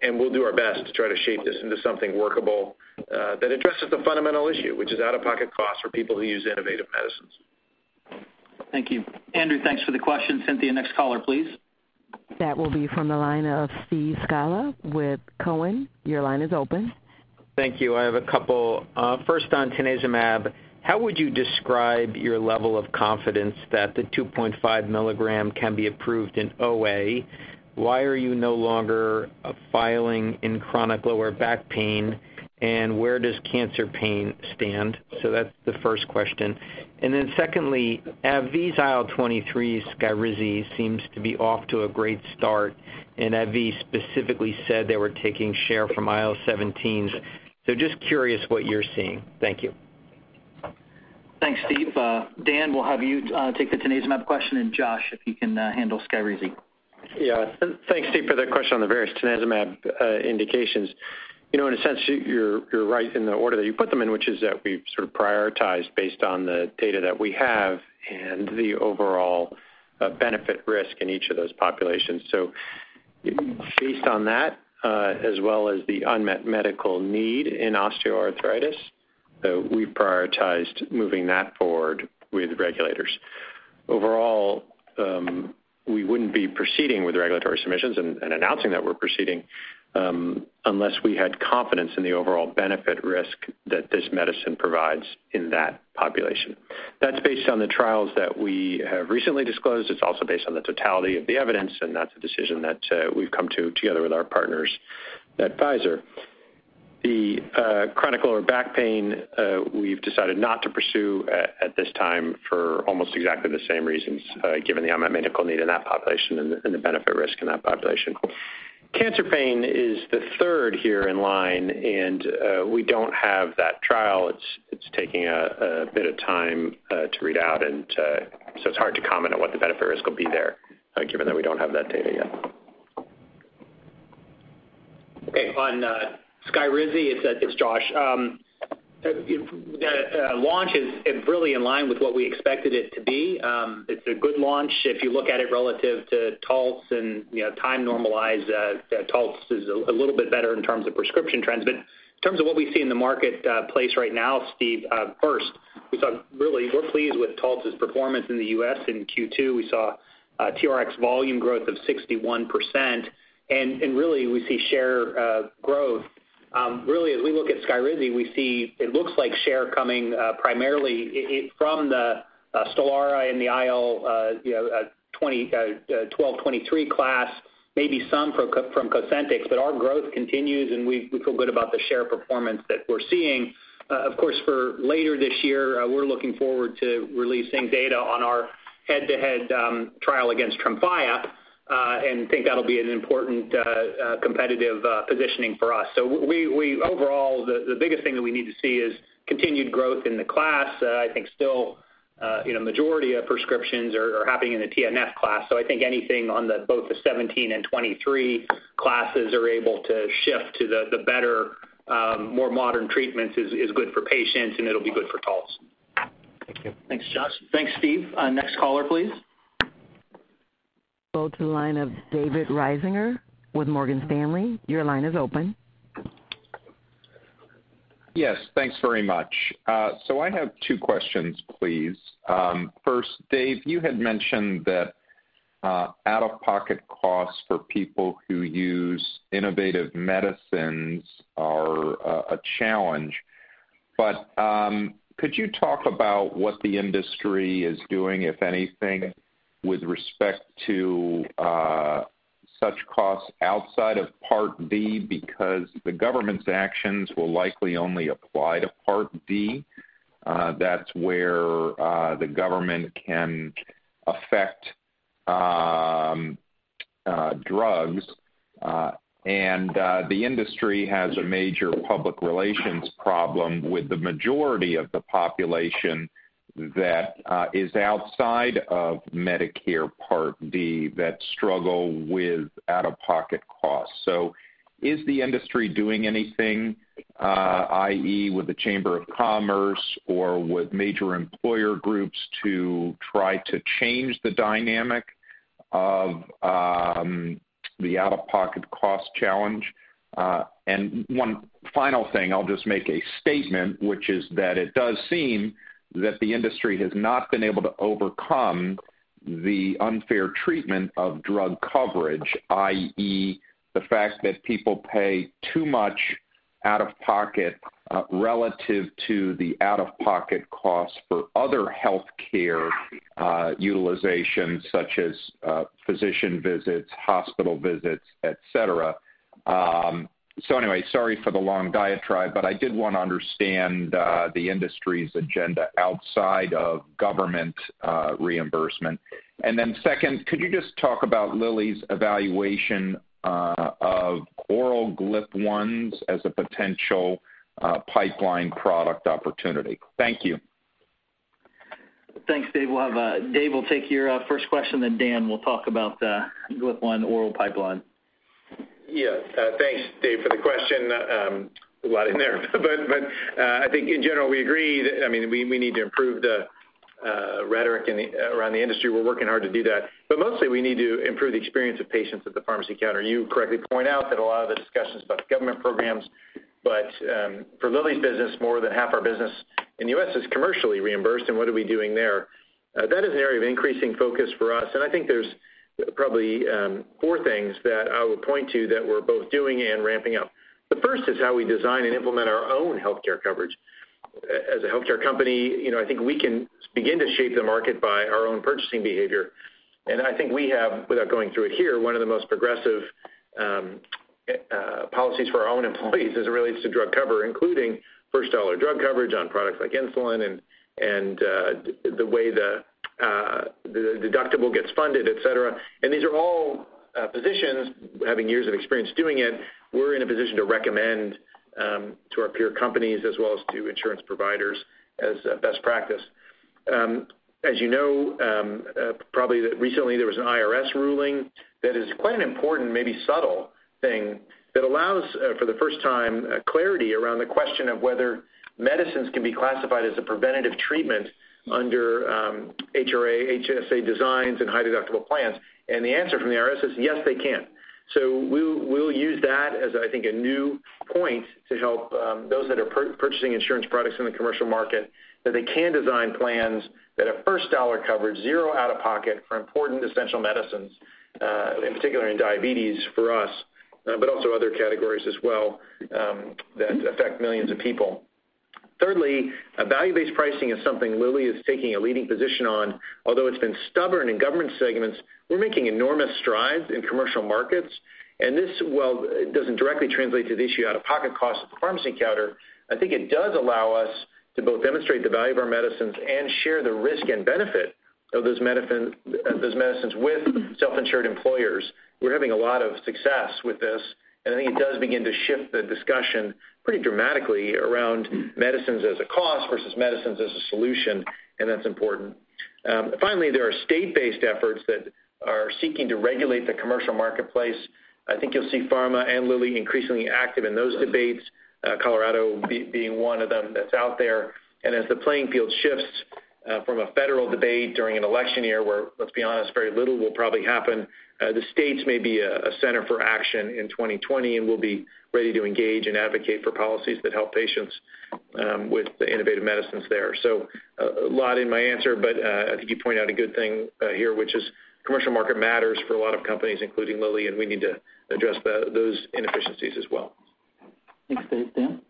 C: We'll do our best to try to shape this into something workable that addresses the fundamental issue, which is out-of-pocket costs for people who use innovative medicines.
B: Thank you. Andrew, thanks for the question. Cynthia, next caller, please.
A: That will be from the line of Steve Scala with Cowen. Your line is open.
K: Thank you. I have a couple. First, on tanezumab, how would you describe your level of confidence that the 2.5 milligram can be approved in OA? Why are you no longer filing in chronic lower back pain, where does cancer pain stand? That's the first question. Secondly, AbbVie's IL-23, SKYRIZI, seems to be off to a great start. AbbVie specifically said they were taking share from IL-17s. Just curious what you're seeing. Thank you.
B: Thanks, Steve. Dan, we'll have you take the tanezumab question, and Josh, if you can handle SKYRIZI.
E: Yeah. Thanks, Steve, for that question on the various tanezumab indications. In a sense, you're right in the order that you put them in, which is that we've sort of prioritized based on the data that we have and the overall benefit risk in each of those populations. Based on that, as well as the unmet medical need in osteoarthritis, we prioritized moving that forward with regulators. Overall, we wouldn't be proceeding with regulatory submissions and announcing that we're proceeding unless we had confidence in the overall benefit risk that this medicine provides in that population. That's based on the trials that we have recently disclosed. It's also based on the totality of the evidence, and that's a decision that we've come to together with our partners at Pfizer. The chronic lower back pain we've decided not to pursue at this time for almost exactly the same reasons, given the unmet medical need in that population and the benefit risk in that population. Cancer pain is the third here in line, and we don't have that trial. It's taking a bit of time to read out, and so it's hard to comment on what the benefit risk will be there, given that we don't have that data yet.
D: Okay. On Skyrizi, it's Josh. The launch is really in line with what we expected it to be. It's a good launch. If you look at it relative to Taltz and time-normalized, Taltz is a little bit better in terms of prescription trends. In terms of what we see in the marketplace right now, Steve, first, really, we're pleased with Taltz's performance in the U.S. In Q2, we saw TRX volume growth of 61%, and really, we see share growth. As we look at Skyrizi, we see it looks like share coming primarily from the Stelara and the IL-12/23 class, maybe some from Cosentyx, but our growth continues, and we feel good about the share performance that we're seeing. Of course, for later this year, we're looking forward to releasing data on our head-to-head trial against Tremfya and think that'll be an important competitive positioning for us. Overall, the biggest thing that we need to see is continued growth in the class. I think still majority of prescriptions are happening in the TNF class. I think anything on both the 17 and 23 classes are able to shift to the better, more modern treatments is good for patients, and it'll be good for Taltz.
K: Thank you.
B: Thanks, Josh. Thanks, Steve. Next caller, please.
A: Go to the line of David Risinger with Morgan Stanley. Your line is open.
L: Yes, thanks very much. I have two questions, please. First, Dave, you had mentioned that out-of-pocket costs for people who use innovative medicines are a challenge. Could you talk about what the industry is doing, if anything, with respect to such costs outside of Part D? The government's actions will likely only apply to Part D. That's where the government can affect drugs. The industry has a major public relations problem with the majority of the population that is outside of Medicare Part D that struggle with out-of-pocket costs. Is the industry doing anything, i.e. with the Chamber of Commerce or with major employer groups, to try to change the dynamic of the out-of-pocket cost challenge? One final thing, I'll just make a statement, which is that it does seem that the industry has not been able to overcome the unfair treatment of drug coverage, i.e. the fact that people pay too much out of pocket relative to the out-of-pocket costs for other healthcare utilization, such as physician visits, hospital visits, et cetera. Anyway, sorry for the long diatribe, I did want to understand the industry's agenda outside of government reimbursement. Second, could you just talk about Lilly's evaluation of oral GLP-1s as a potential pipeline product opportunity? Thank you.
B: Thanks, Dave. We'll have Dave take your first question, then Dan will talk about the GLP-1 oral pipeline.
C: Yeah. Thanks, Dave, for the question. A lot in there. I think in general, we agree that we need to improve the rhetoric around the industry. We're working hard to do that. Mostly, we need to improve the experience of patients at the pharmacy counter. You correctly point out that a lot of the discussion's about government programs. For Lilly's business, more than half our business in the U.S. is commercially reimbursed. What are we doing there? That is an area of increasing focus for us, and I think there's probably four things that I would point to that we're both doing and ramping up. The first is how we design and implement our own healthcare coverage. As a healthcare company, I think we can begin to shape the market by our own purchasing behavior. I think we have, without going through it here, one of the most progressive policies for our own employees as it relates to drug cover, including first-dollar drug coverage on products like insulin and the way the deductible gets funded, et cetera. These are all positions, having years of experience doing it, we're in a position to recommend to our peer companies as well as to insurance providers as a best practice. As you know, probably recently there was an IRS ruling that is quite an important, maybe subtle thing that allows for the first time clarity around the question of whether medicines can be classified as a preventative treatment under HRA, HSA designs and high-deductible plans. The answer from the IRS is yes, they can. We'll use that as I think a new point to help those that are purchasing insurance products in the commercial market, that they can design plans that have first-dollar coverage, zero out-of-pocket for important essential medicines, in particular in diabetes for us, but also other categories as well that affect millions of people. Thirdly, value-based pricing is something Lilly is taking a leading position on. Although it's been stubborn in government segments, we're making enormous strides in commercial markets, and this, while it doesn't directly translate to the issue of out-of-pocket costs at the pharmacy counter, I think it does allow us to both demonstrate the value of our medicines and share the risk and benefit of those medicines with self-insured employers. We're having a lot of success with this. I think it does begin to shift the discussion pretty dramatically around medicines as a cost versus medicines as a solution, and that's important. Finally, there are state-based efforts that are seeking to regulate the commercial marketplace. I think you'll see pharma and Lilly increasingly active in those debates, Colorado being one of them that's out there. As the playing field shifts from a federal debate during an election year where, let's be honest, very little will probably happen, the states may be a center for action in 2020. We'll be ready to engage and advocate for policies that help patients with the innovative medicines there. A lot in my answer, but I think you point out a good thing here, which is commercial market matters for a lot of companies, including Lilly, and we need to address those inefficiencies as well.
B: Thanks, Dave. Dan?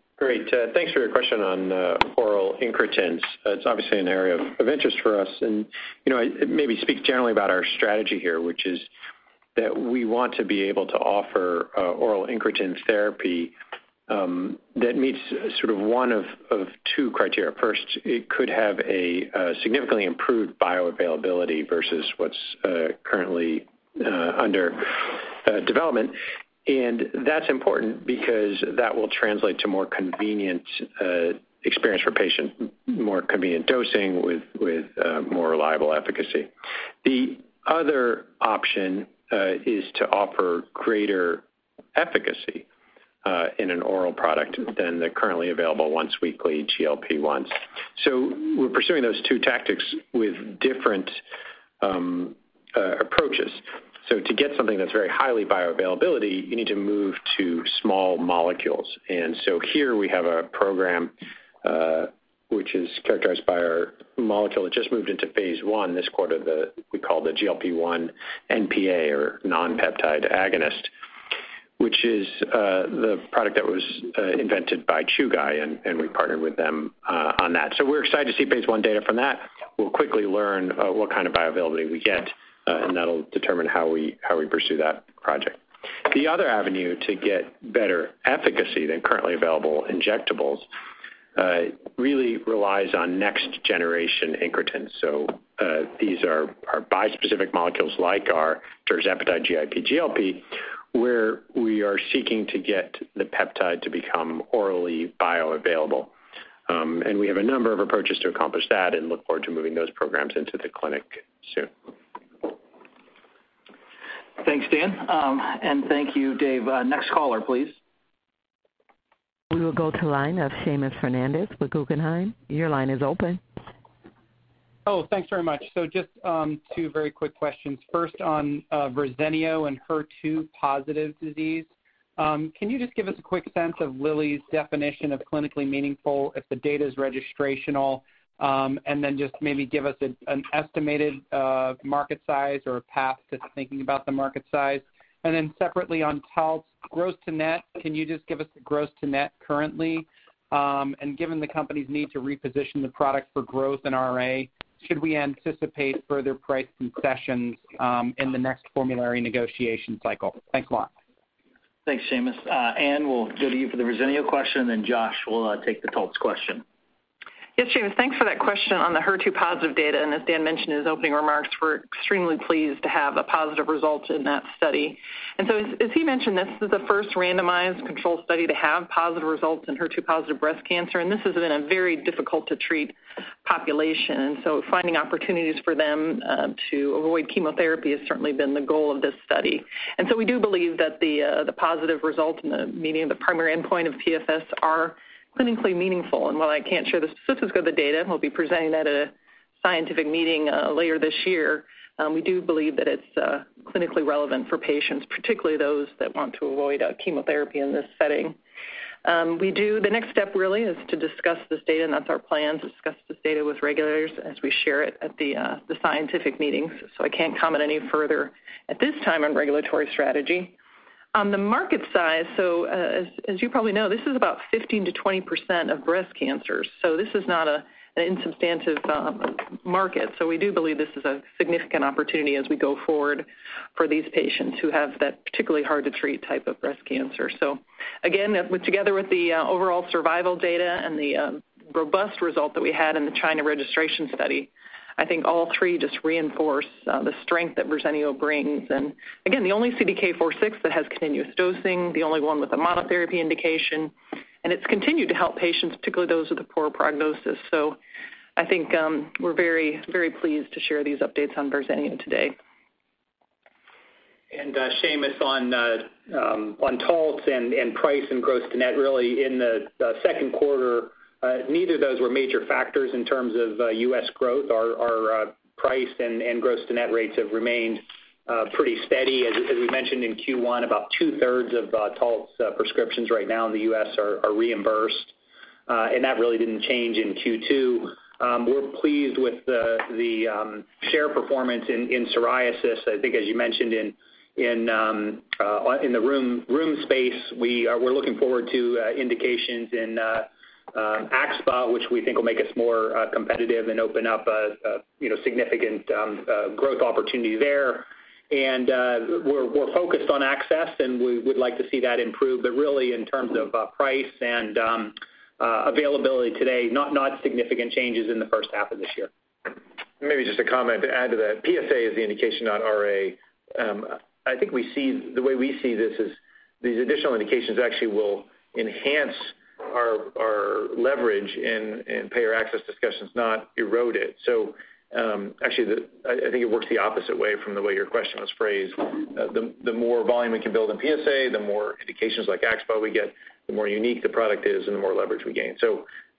E: Thanks for your question on oral incretins. It's obviously an area of interest for us. Maybe speak generally about our strategy here, which is that we want to be able to offer oral incretin therapy that meets sort of one of two criteria. First, it could have a significantly improved bioavailability versus what's currently under development. That's important because that will translate to more convenient experience for patient, more convenient dosing with more reliable efficacy. The other option is to offer greater efficacy in an oral product than the currently available once-weekly GLP-1s. We're pursuing those 2 tactics with different approaches. To get something that's very highly bioavailability, you need to move to small molecules. Here we have a program, which is characterized by our molecule. It just moved into phase I this quarter, we call the GLP-1 NPA or non-peptide agonist, which is the product that was invented by Chugai. We partnered with them on that. We're excited to see phase I data from that. We'll quickly learn what kind of viability we get. That'll determine how we pursue that project. The other avenue to get better efficacy than currently available injectables really relies on next generation incretins. These are bispecific molecules like our tirzepatide GIP/GLP-1, where we are seeking to get the peptide to become orally bioavailable. We have a number of approaches to accomplish that. We look forward to moving those programs into the clinic soon.
B: Thanks, Dan. Thank you, Dave. Next caller, please.
A: We will go to line of Seamus Fernandez with Guggenheim. Your line is open.
M: Oh, thanks very much. Just two very quick questions. First on Verzenio and HER2-positive disease. Can you just give us a quick sense of Lilly's definition of clinically meaningful if the data is registrational? Just maybe give us an estimated market size or a path to thinking about the market size. Separately on Taltz, gross to net, can you just give us the gross to net currently? Given the company's need to reposition the product for growth in RA, should we anticipate further price concessions in the next formulary negotiation cycle? Thanks a lot.
B: Thanks, Seamus. Anne, we'll go to you for the Verzenio question, and then Josh will take the Taltz question.
G: Yes, Seamus, thanks for that question on the HER2-positive data. As Dan mentioned in his opening remarks, we're extremely pleased to have a positive result in that study. As he mentioned, this is the first randomized controlled study to have positive results in HER2-positive breast cancer, and this has been a very difficult to treat population. Finding opportunities for them to avoid chemotherapy has certainly been the goal of this study. We do believe that the positive result, meaning the primary endpoint of PFS, is clinically meaningful. While I can't share the specifics of the data, we'll be presenting at a scientific meeting later this year. We do believe that it's clinically relevant for patients, particularly those that want to avoid chemotherapy in this setting. The next step really is to discuss this data. That's our plan, to discuss this data with regulators as we share it at the scientific meetings. I can't comment any further at this time on regulatory strategy. On the market side, as you probably know, this is about 15%-20% of breast cancers. This is not an insubstantive market. We do believe this is a significant opportunity as we go forward for these patients who have that particularly hard-to-treat type of breast cancer. Again, together with the overall survival data and the robust result that we had in the China registration study, I think all three just reinforce the strength that Verzenio brings. Again, the only CDK4/6 that has continuous dosing, the only one with a monotherapy indication, and it's continued to help patients, particularly those with a poor prognosis. I think we're very pleased to share these updates on Verzenio today.
D: Seamus, on Taltz and price and gross to net, really in the second quarter, neither of those were major factors in terms of U.S. growth. Our price and gross to net rates have remained pretty steady. As we mentioned in Q1, about two-thirds of Taltz prescriptions right now in the U.S. are reimbursed. That really didn't change in Q2. We're pleased with the share performance in psoriasis. I think as you mentioned in the room space, we're looking forward to indications in axSpA, which we think will make us more competitive and open up a significant growth opportunity there. We're focused on access, and we would like to see that improve. Really in terms of price and availability today, not significant changes in the first half of this year.
C: Maybe just a comment to add to that. PsA is the indication, not RA. I think the way we see this is these additional indications actually will enhance our leverage in payer access discussions, not erode it. Actually, I think it works the opposite way from the way your question was phrased. The more volume we can build in PsA, the more indications like axSpA we get, the more unique the product is and the more leverage we gain.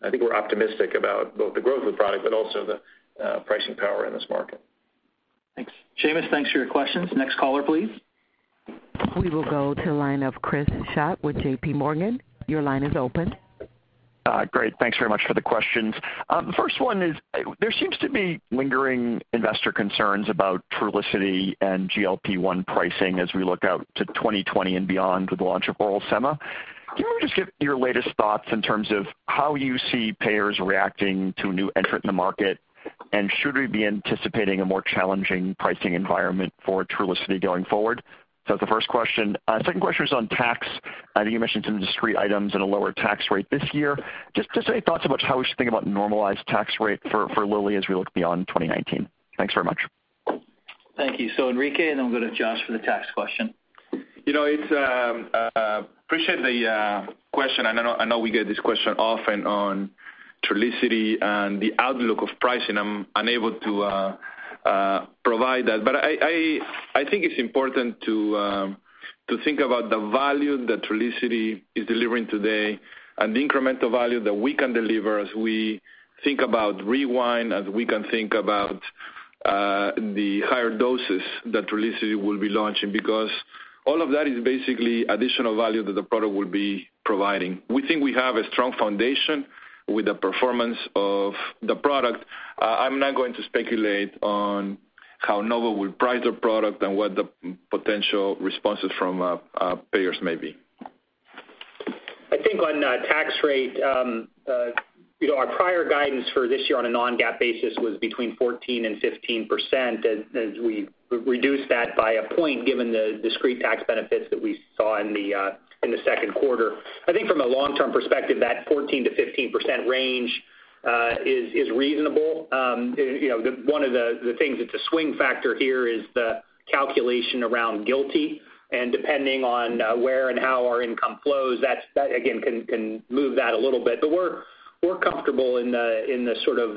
C: I think we're optimistic about both the growth of the product, but also the pricing power in this market.
D: Thanks.
B: Seamus, thanks for your questions. Next caller, please.
A: We will go to the line of Chris Schott with JPMorgan. Your line is open.
N: Great. Thanks very much for the questions. The first one is, there seems to be lingering investor concerns about Trulicity and GLP-1 pricing as we look out to 2020 and beyond with the launch of oral semaglutide. Can you just give your latest thoughts in terms of how you see payers reacting to a new entrant in the market? Should we be anticipating a more challenging pricing environment for Trulicity going forward? That's the first question. Second question is on tax. I think you mentioned some discrete items and a lower tax rate this year. Just any thoughts about how we should think about normalized tax rate for Lilly as we look beyond 2019? Thanks very much.
B: Thank you. Enrique, and then we'll go to Josh for the tax question.
I: Appreciate the question. I know we get this question often on Trulicity and the outlook of pricing. I'm unable to provide that. I think it's important to think about the value that Trulicity is delivering today and the incremental value that we can deliver as we think about REWIND, as we can think about the higher doses that Trulicity will be launching, because all of that is basically additional value that the product will be providing. We think we have a strong foundation with the performance of the product. I'm not going to speculate on how Novo will price their product and what the potential responses from payers may be.
D: I think on tax rate, our prior guidance for this year on a non-GAAP basis was between 14% and 15%. As we reduced that by one point, given the discrete tax benefits that we saw in the second quarter. I think from a long-term perspective, that 14%-15% range is reasonable. One of the things that's a swing factor here is the calculation around GILTI. Depending on where and how our income flows, that again, can move that a little bit. We're comfortable in the sort of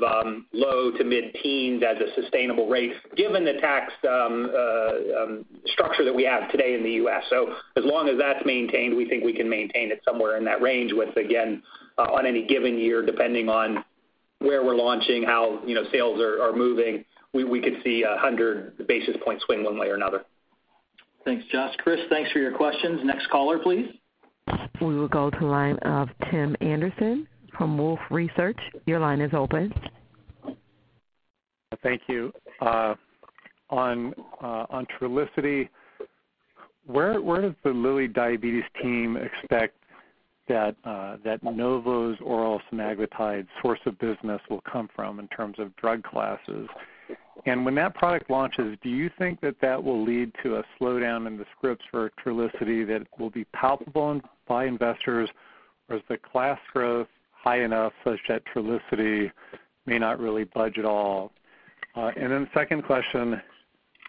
D: low to mid-teens as a sustainable rate given the tax structure that we have today in the U.S. As long as that's maintained, we think we can maintain it somewhere in that range with, again, on any given year, depending on where we're launching, how sales are moving, we could see 100 basis points swing one way or another.
B: Thanks, Josh. Chris, thanks for your questions. Next caller, please.
A: We will go to the line of Tim Anderson from Wolfe Research. Your line is open.
O: Thank you. On Trulicity, where does the Lilly Diabetes team expect that Novo's oral semaglutide source of business will come from in terms of drug classes? When that product launches, do you think that that will lead to a slowdown in the scripts for Trulicity that will be palpable by investors? Is the class growth high enough such that Trulicity may not really budge at all? Second question.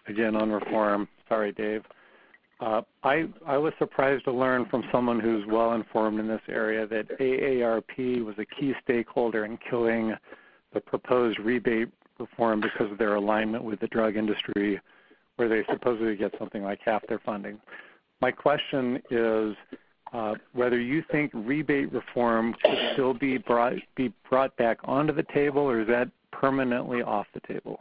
O: Again on reform. Sorry, Dave. I was surprised to learn from someone who's well-informed in this area that AARP was a key stakeholder in killing the proposed rebate reform because of their alignment with the drug industry, where they supposedly get something like half their funding. My question is whether you think rebate reform should still be brought back onto the table, is that permanently off the table?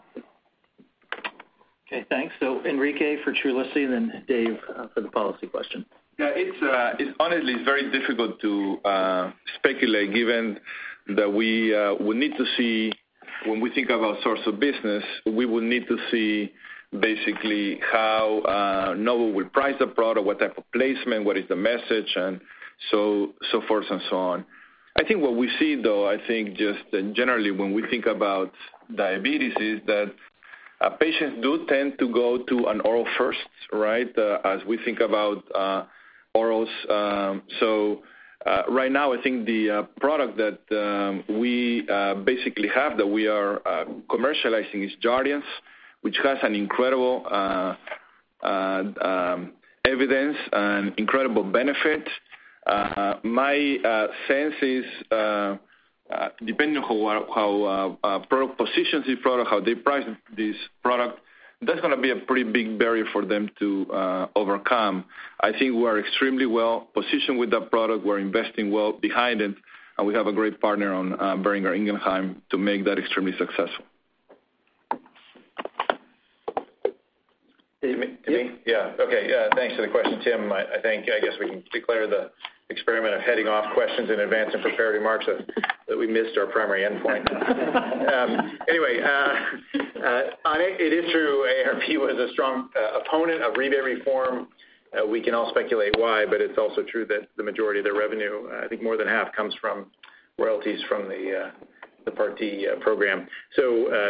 B: Okay, thanks. Enrique for Trulicity, then Dave for the policy question.
I: Yeah, it's honestly very difficult to speculate given that we would need to see, when we think about source of business, we will need to see basically how Novo will price the product, what type of placement, what is the message, and so forth and so on. I think what we see, though, I think just generally when we think about diabetes, is that patients do tend to go to an oral first, right, as we think about orals. Right now, I think the product that we basically have that we are commercializing is Jardiance, which has an incredible evidence, an incredible benefit. My sense is, depending on how a product positions this product, how they price this product, that's going to be a pretty big barrier for them to overcome. I think we're extremely well-positioned with that product. We're investing well behind it, and we have a great partner on Boehringer Ingelheim to make that extremely successful.
B: Dave?
C: To me? Yeah. Okay. Yeah, thanks for the question, Tim. I think, I guess we can declare the experiment of heading off questions in advance and prepared remarks that we missed our primary endpoint. It is true AARP was a strong opponent of rebate reform. We can all speculate why, it's also true that the majority of their revenue, I think more than half, comes from royalties from the Part D program.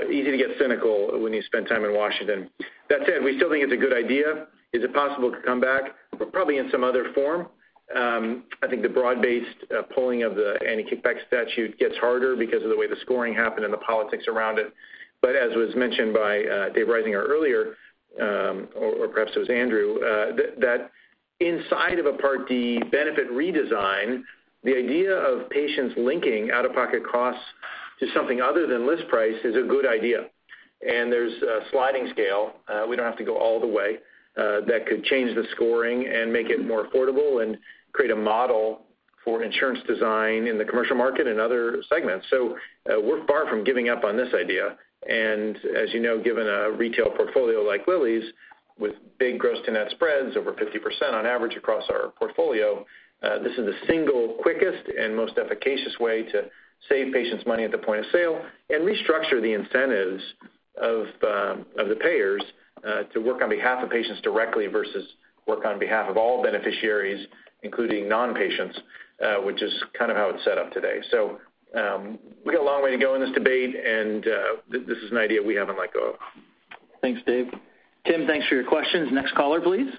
C: Easy to get cynical when you spend time in Washington. That said, we still think it's a good idea. Is it possible to come back? Probably in some other form. I think the broad-based pulling of the anti-kickback statute gets harder because of the way the scoring happened and the politics around it. As was mentioned by Dave Risinger earlier, or perhaps it was Andrew, that inside of a Part D benefit redesign, the idea of patients linking out-of-pocket costs to something other than list price is a good idea. There's a sliding scale, we don't have to go all the way, that could change the scoring and make it more affordable and create a model for insurance design in the commercial market and other segments. We're far from giving up on this idea. As you know, given a retail portfolio like Lilly's, with big gross-to-net spreads over 50% on average across our portfolio, this is the single quickest and most efficacious way to save patients money at the point of sale and restructure the incentives of the payers to work on behalf of patients directly versus work on behalf of all beneficiaries, including non-patients, which is kind of how it's set up today. We got a long way to go in this debate, and this is an idea we haven't let go of.
B: Thanks, Dave. Tim, thanks for your questions. Next caller, please.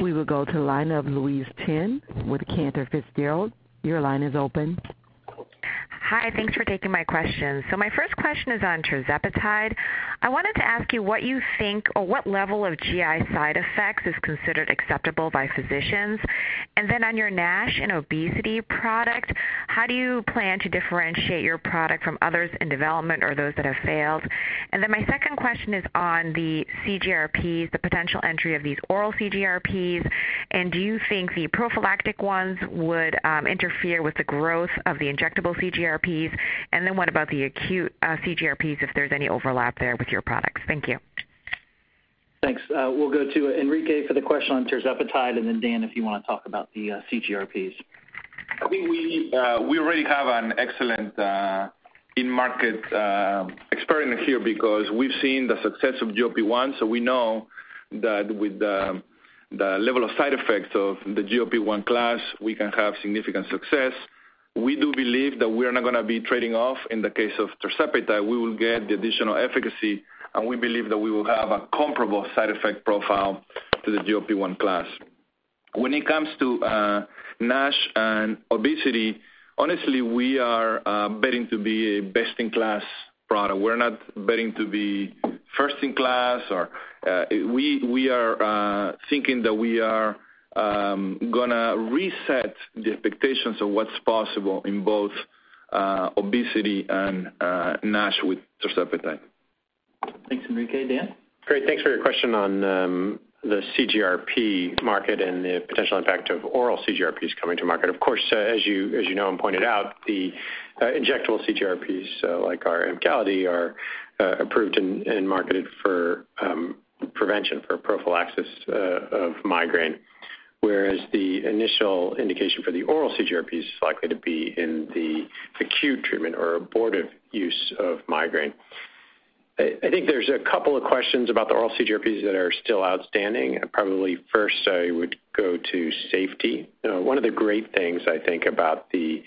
A: We will go to the line of Louise Chen with Cantor Fitzgerald. Your line is open.
P: Hi. Thanks for taking my questions. My first question is on tirzepatide. I wanted to ask you what you think or what level of GI side effects is considered acceptable by physicians? On your NASH and obesity product, how do you plan to differentiate your product from others in development or those that have failed? My second question is on the CGRPs, the potential entry of these oral CGRPs, and do you think the prophylactic ones would interfere with the growth of the injectable CGRPs? What about the acute CGRPs, if there's any overlap there with your products? Thank you.
B: Thanks. We'll go to Enrique for the question on tirzepatide, Dan, if you want to talk about the CGRPs.
I: I think we already have an excellent in-market experiment here because we've seen the success of GLP-1, so we know that with the level of side effects of the GLP-1 class, we can have significant success. We do believe that we're not going to be trading off in the case of tirzepatide. We will get the additional efficacy, and we believe that we will have a comparable side effect profile to the GLP-1 class. When it comes to NASH and obesity, honestly, we are betting to be a best-in-class product. We're not betting to be first in class. We are thinking that we are going to reset the expectations of what's possible in both obesity and NASH with tirzepatide.
B: Thanks, Enrique. Dan?
E: Great. Thanks for your question on the CGRP market and the potential impact of oral CGRPs coming to market. Of course, as you know and pointed out, the injectable CGRPs, like our Emgality, are approved and marketed for prevention for prophylaxis of migraine, whereas the initial indication for the oral CGRPs is likely to be in the acute treatment or abortive use of migraine. I think there's a couple of questions about the oral CGRPs that are still outstanding. First, I would go to safety. One of the great things I think about the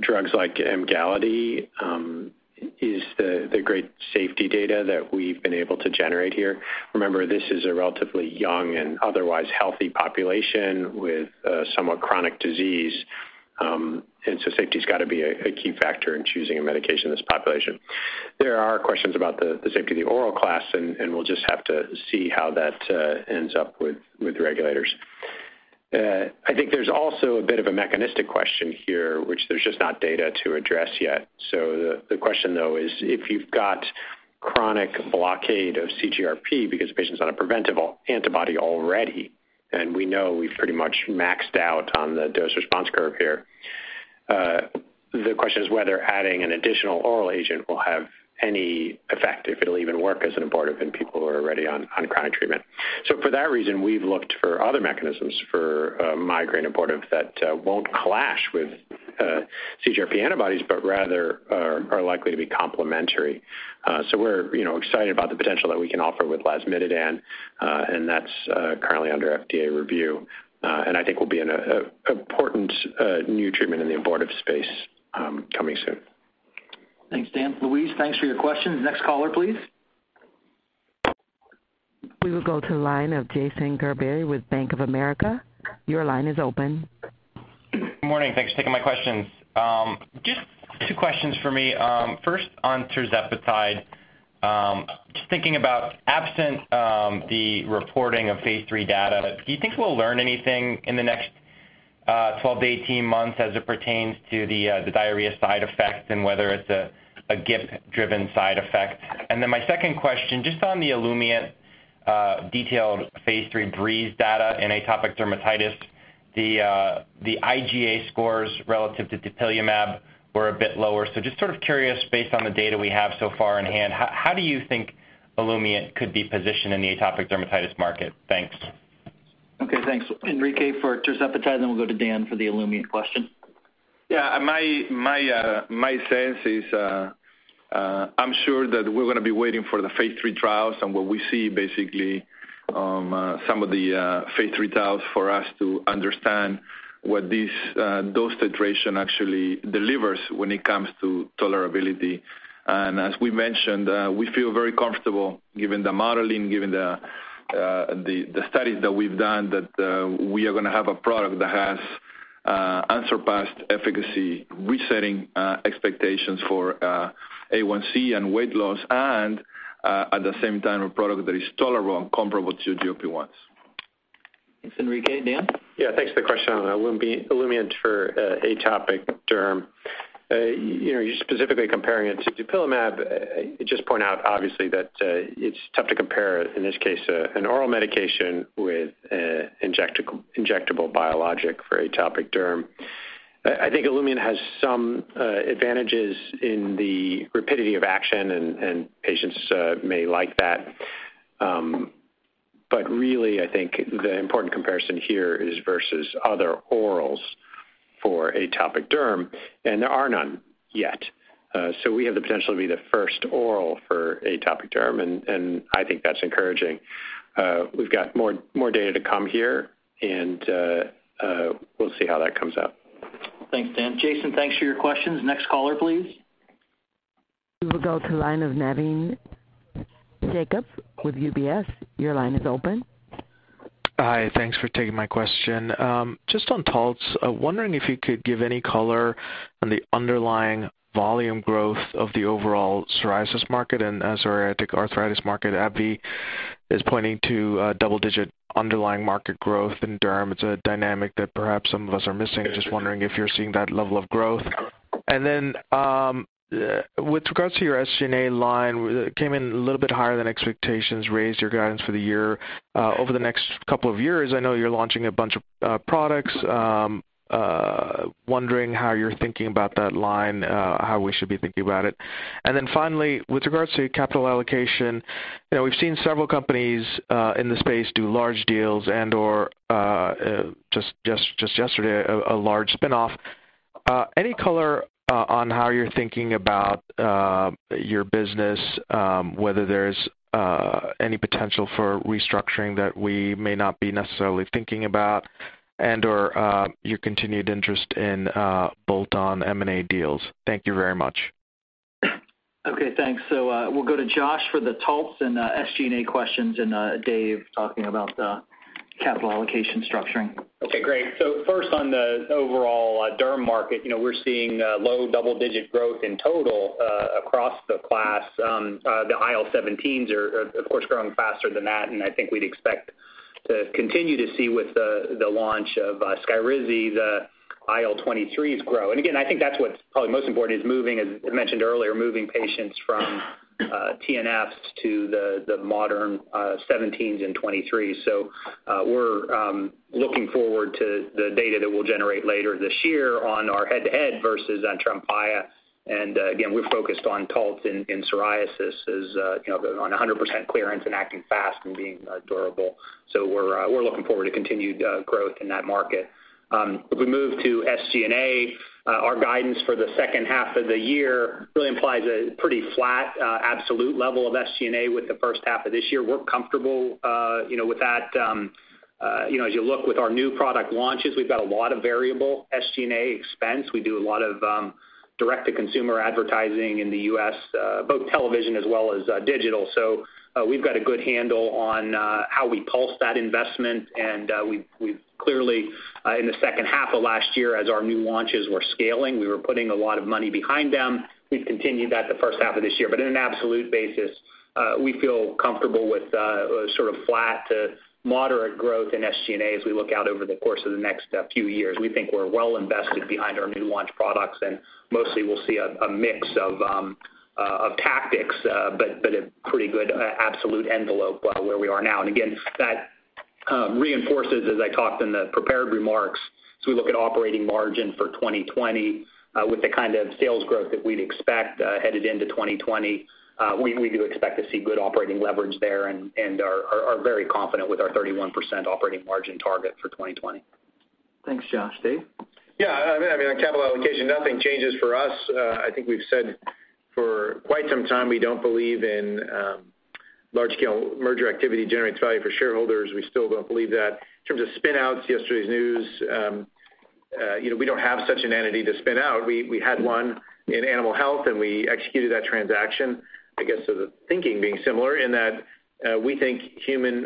E: drugs like Emgality is the great safety data that we've been able to generate here. Remember, this is a relatively young and otherwise healthy population with a somewhat chronic disease. Safety's got to be a key factor in choosing a medication in this population. There are questions about the safety of the oral class, and we'll just have to see how that ends up with regulators. I think there's also a bit of a mechanistic question here, which there's just not data to address yet. The question, though, is if you've got chronic blockade of CGRP because a patient's on a preventive antibody already, and we know we've pretty much maxed out on the dose-response curve here. The question is whether adding an additional oral agent will have any effect, if it'll even work as an abortive in people who are already on chronic treatment. For that reason, we've looked for other mechanisms for a migraine abortive that won't clash with CGRP antibodies, but rather are likely to be complementary. We're excited about the potential that we can offer with lasmiditan, and that's currently under FDA review. I think will be an important new treatment in the abortive space coming soon.
B: Thanks, Dan. Louise, thanks for your questions. Next caller, please.
A: We will go to the line of Jason Gerberry with Bank of America. Your line is open.
Q: Good morning. Thanks for taking my questions. Two questions for me. First, on tirzepatide. Thinking about absent the reporting of phase III data, do you think we'll learn anything in the next 12-18 months as it pertains to the diarrhea side effect and whether it's a GIP-driven side effect? My second question, on the Olumiant detailed phase III BREEZE data in atopic dermatitis. The IGA scores relative to dupilumab were a bit lower. Sort of curious, based on the data we have so far in hand, how do you think Olumiant could be positioned in the atopic dermatitis market? Thanks.
B: Okay, thanks. Enrique for tirzepatide, then we'll go to Dan for the Olumiant question.
I: My sense is, I'm sure that we're going to be waiting for the phase III trials and what we see basically, some of the phase III trials for us to understand what this dose titration actually delivers when it comes to tolerability. As we mentioned, we feel very comfortable given the modeling, given the studies that we've done, that we are going to have a product that has unsurpassed efficacy, resetting expectations for A1C and weight loss, and, at the same time, a product that is tolerable and comparable to the GLP-1s.
B: Thanks, Enrique. Dan?
E: Yeah, thanks for the question on Olumiant for atopic derm. You're specifically comparing it to dupilumab. Just point out obviously that it's tough to compare, in this case, an oral medication with an injectable biologic for atopic derm. I think Olumiant has some advantages in the rapidity of action, and patients may like that. Really, I think the important comparison here is versus other orals for atopic derm, and there are none yet. We have the potential to be the first oral for atopic derm, and I think that's encouraging. We've got more data to come here, and we'll see how that comes out.
B: Thanks, Dan. Jason, thanks for your questions. Next caller, please.
A: We will go to the line of Navin Jacob with UBS. Your line is open.
R: Hi, thanks for taking my question. Just on Taltz, wondering if you could give any color on the underlying volume growth of the overall psoriasis market and psoriatic arthritis market. AbbVie is pointing to double-digit underlying market growth in derm. It's a dynamic that perhaps some of us are missing. Just wondering if you're seeing that level of growth. With regards to your SG&A line, came in a little bit higher than expectations, raised your guidance for the year. Over the next couple of years, I know you're launching a bunch of products. Wondering how you're thinking about that line, how we should be thinking about it. Finally, with regards to capital allocation, we've seen several companies in the space do large deals and/or, just yesterday, a large spin-off. Any color on how you're thinking about your business, whether there's any potential for restructuring that we may not be necessarily thinking about and/or your continued interest in bolt-on M&A deals. Thank you very much.
B: Okay, thanks. We'll go to Josh for the Taltz and SG&A questions and Dave talking about the capital allocation structuring.
D: Okay, great. First on the overall derm market. We're seeing low double-digit growth in total across the class. The IL-17s are of course growing faster than that, I think we'd expect to continue to see with the launch of SKYRIZI, the IL-23s grow. Again, I think that's what's probably most important is, as I mentioned earlier, moving patients from TNFs to the modern 17s and 23s. We're looking forward to the data that we'll generate later this year on our head-to-head versus TREMFYA. Again, we're focused on Taltz in psoriasis as on 100% clearance and acting fast and being durable. We're looking forward to continued growth in that market. We move to SG&A, our guidance for the second half of the year really implies a pretty flat absolute level of SG&A with the first half of this year. We're comfortable with that. As you look with our new product launches, we've got a lot of variable SG&A expense. We do a lot of direct-to-consumer advertising in the U.S., both television as well as digital. We've got a good handle on how we pulse that investment, and we've clearly, in the second half of last year, as our new launches were scaling, we were putting a lot of money behind them. We've continued that the first half of this year. On an absolute basis, we feel comfortable with sort of flat to moderate growth in SG&A as we look out over the course of the next few years. We think we're well-invested behind our new launch products, and mostly we'll see a mix of tactics, but a pretty good absolute envelope where we are now. Again, that reinforces, as I talked in the prepared remarks, as we look at operating margin for 2020 with the kind of sales growth that we'd expect headed into 2020, we do expect to see good operating leverage there and are very confident with our 31% operating margin target for 2020.
B: Thanks, Josh. Dave?
C: Yeah, on capital allocation, nothing changes for us. I think we've said for quite some time, we don't believe in large-scale merger activity generates value for shareholders. We still don't believe that. In terms of spin-outs, yesterday's news, we don't have such an entity to spin out. We had one in animal health, and we executed that transaction, I guess, so the thinking being similar in that we think human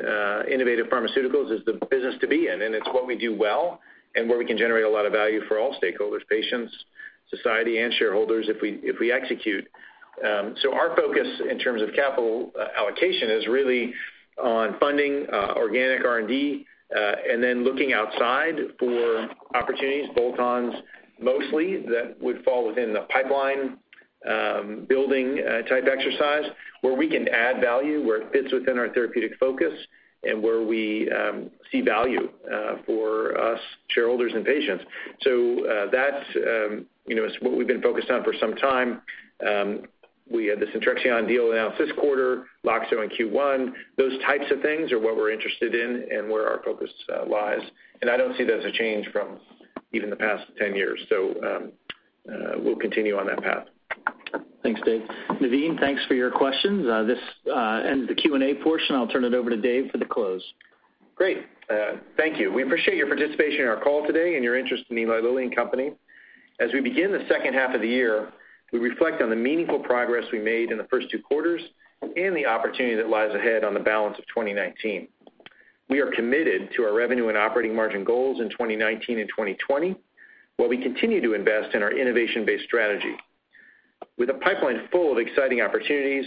C: innovative pharmaceuticals is the business to be in, and it's what we do well and where we can generate a lot of value for all stakeholders, patients, society, and shareholders if we execute. Our focus in terms of capital allocation is really on funding organic R&D and then looking outside for opportunities, bolt-ons mostly, that would fall within the pipeline building type exercise where we can add value, where it fits within our therapeutic focus and where we see value for us, shareholders, and patients. That's what we've been focused on for some time. We had the Centrexion deal announce this quarter, Loxo in Q1. Those types of things are what we're interested in and where our focus lies. I don't see that as a change from even the past 10 years. We'll continue on that path.
B: Thanks, Dave. Navin, thanks for your questions. This ends the Q&A portion. I'll turn it over to Dave for the close.
C: Great. Thank you. We appreciate your participation in our call today and your interest in Eli Lilly and Company. As we begin the second half of the year, we reflect on the meaningful progress we made in the first two quarters and the opportunity that lies ahead on the balance of 2019. We are committed to our revenue and operating margin goals in 2019 and 2020, while we continue to invest in our innovation-based strategy. With a pipeline full of exciting opportunities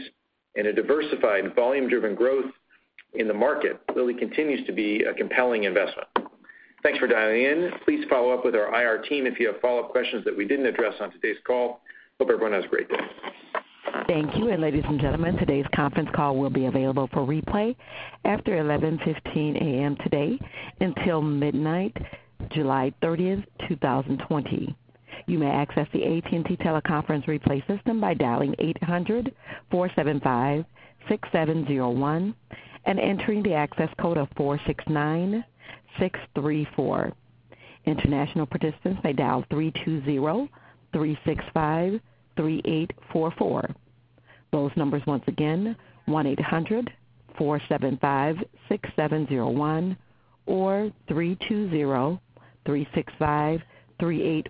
C: and a diversified volume-driven growth in the market, Lilly continues to be a compelling investment. Thanks for dialing in. Please follow up with our IR team if you have follow-up questions that we didn't address on today's call. Hope everyone has a great day.
A: Thank you. Ladies and gentlemen, today's conference call will be available for replay after 11:15 A.M. today until midnight, July 30th, 2020. You may access the AT&T teleconference replay system by dialing 800-475-6701 and entering the access code of 469634. International participants may dial 320-365-3844. Those numbers once again, 1-800-475-6701 or 320-365-3844, and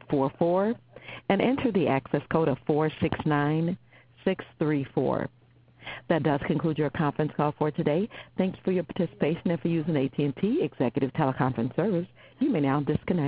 A: enter the access code of 469634. That does conclude your conference call for today. Thank you for your participation and for using AT&T Executive Teleconference Service. You may now disconnect.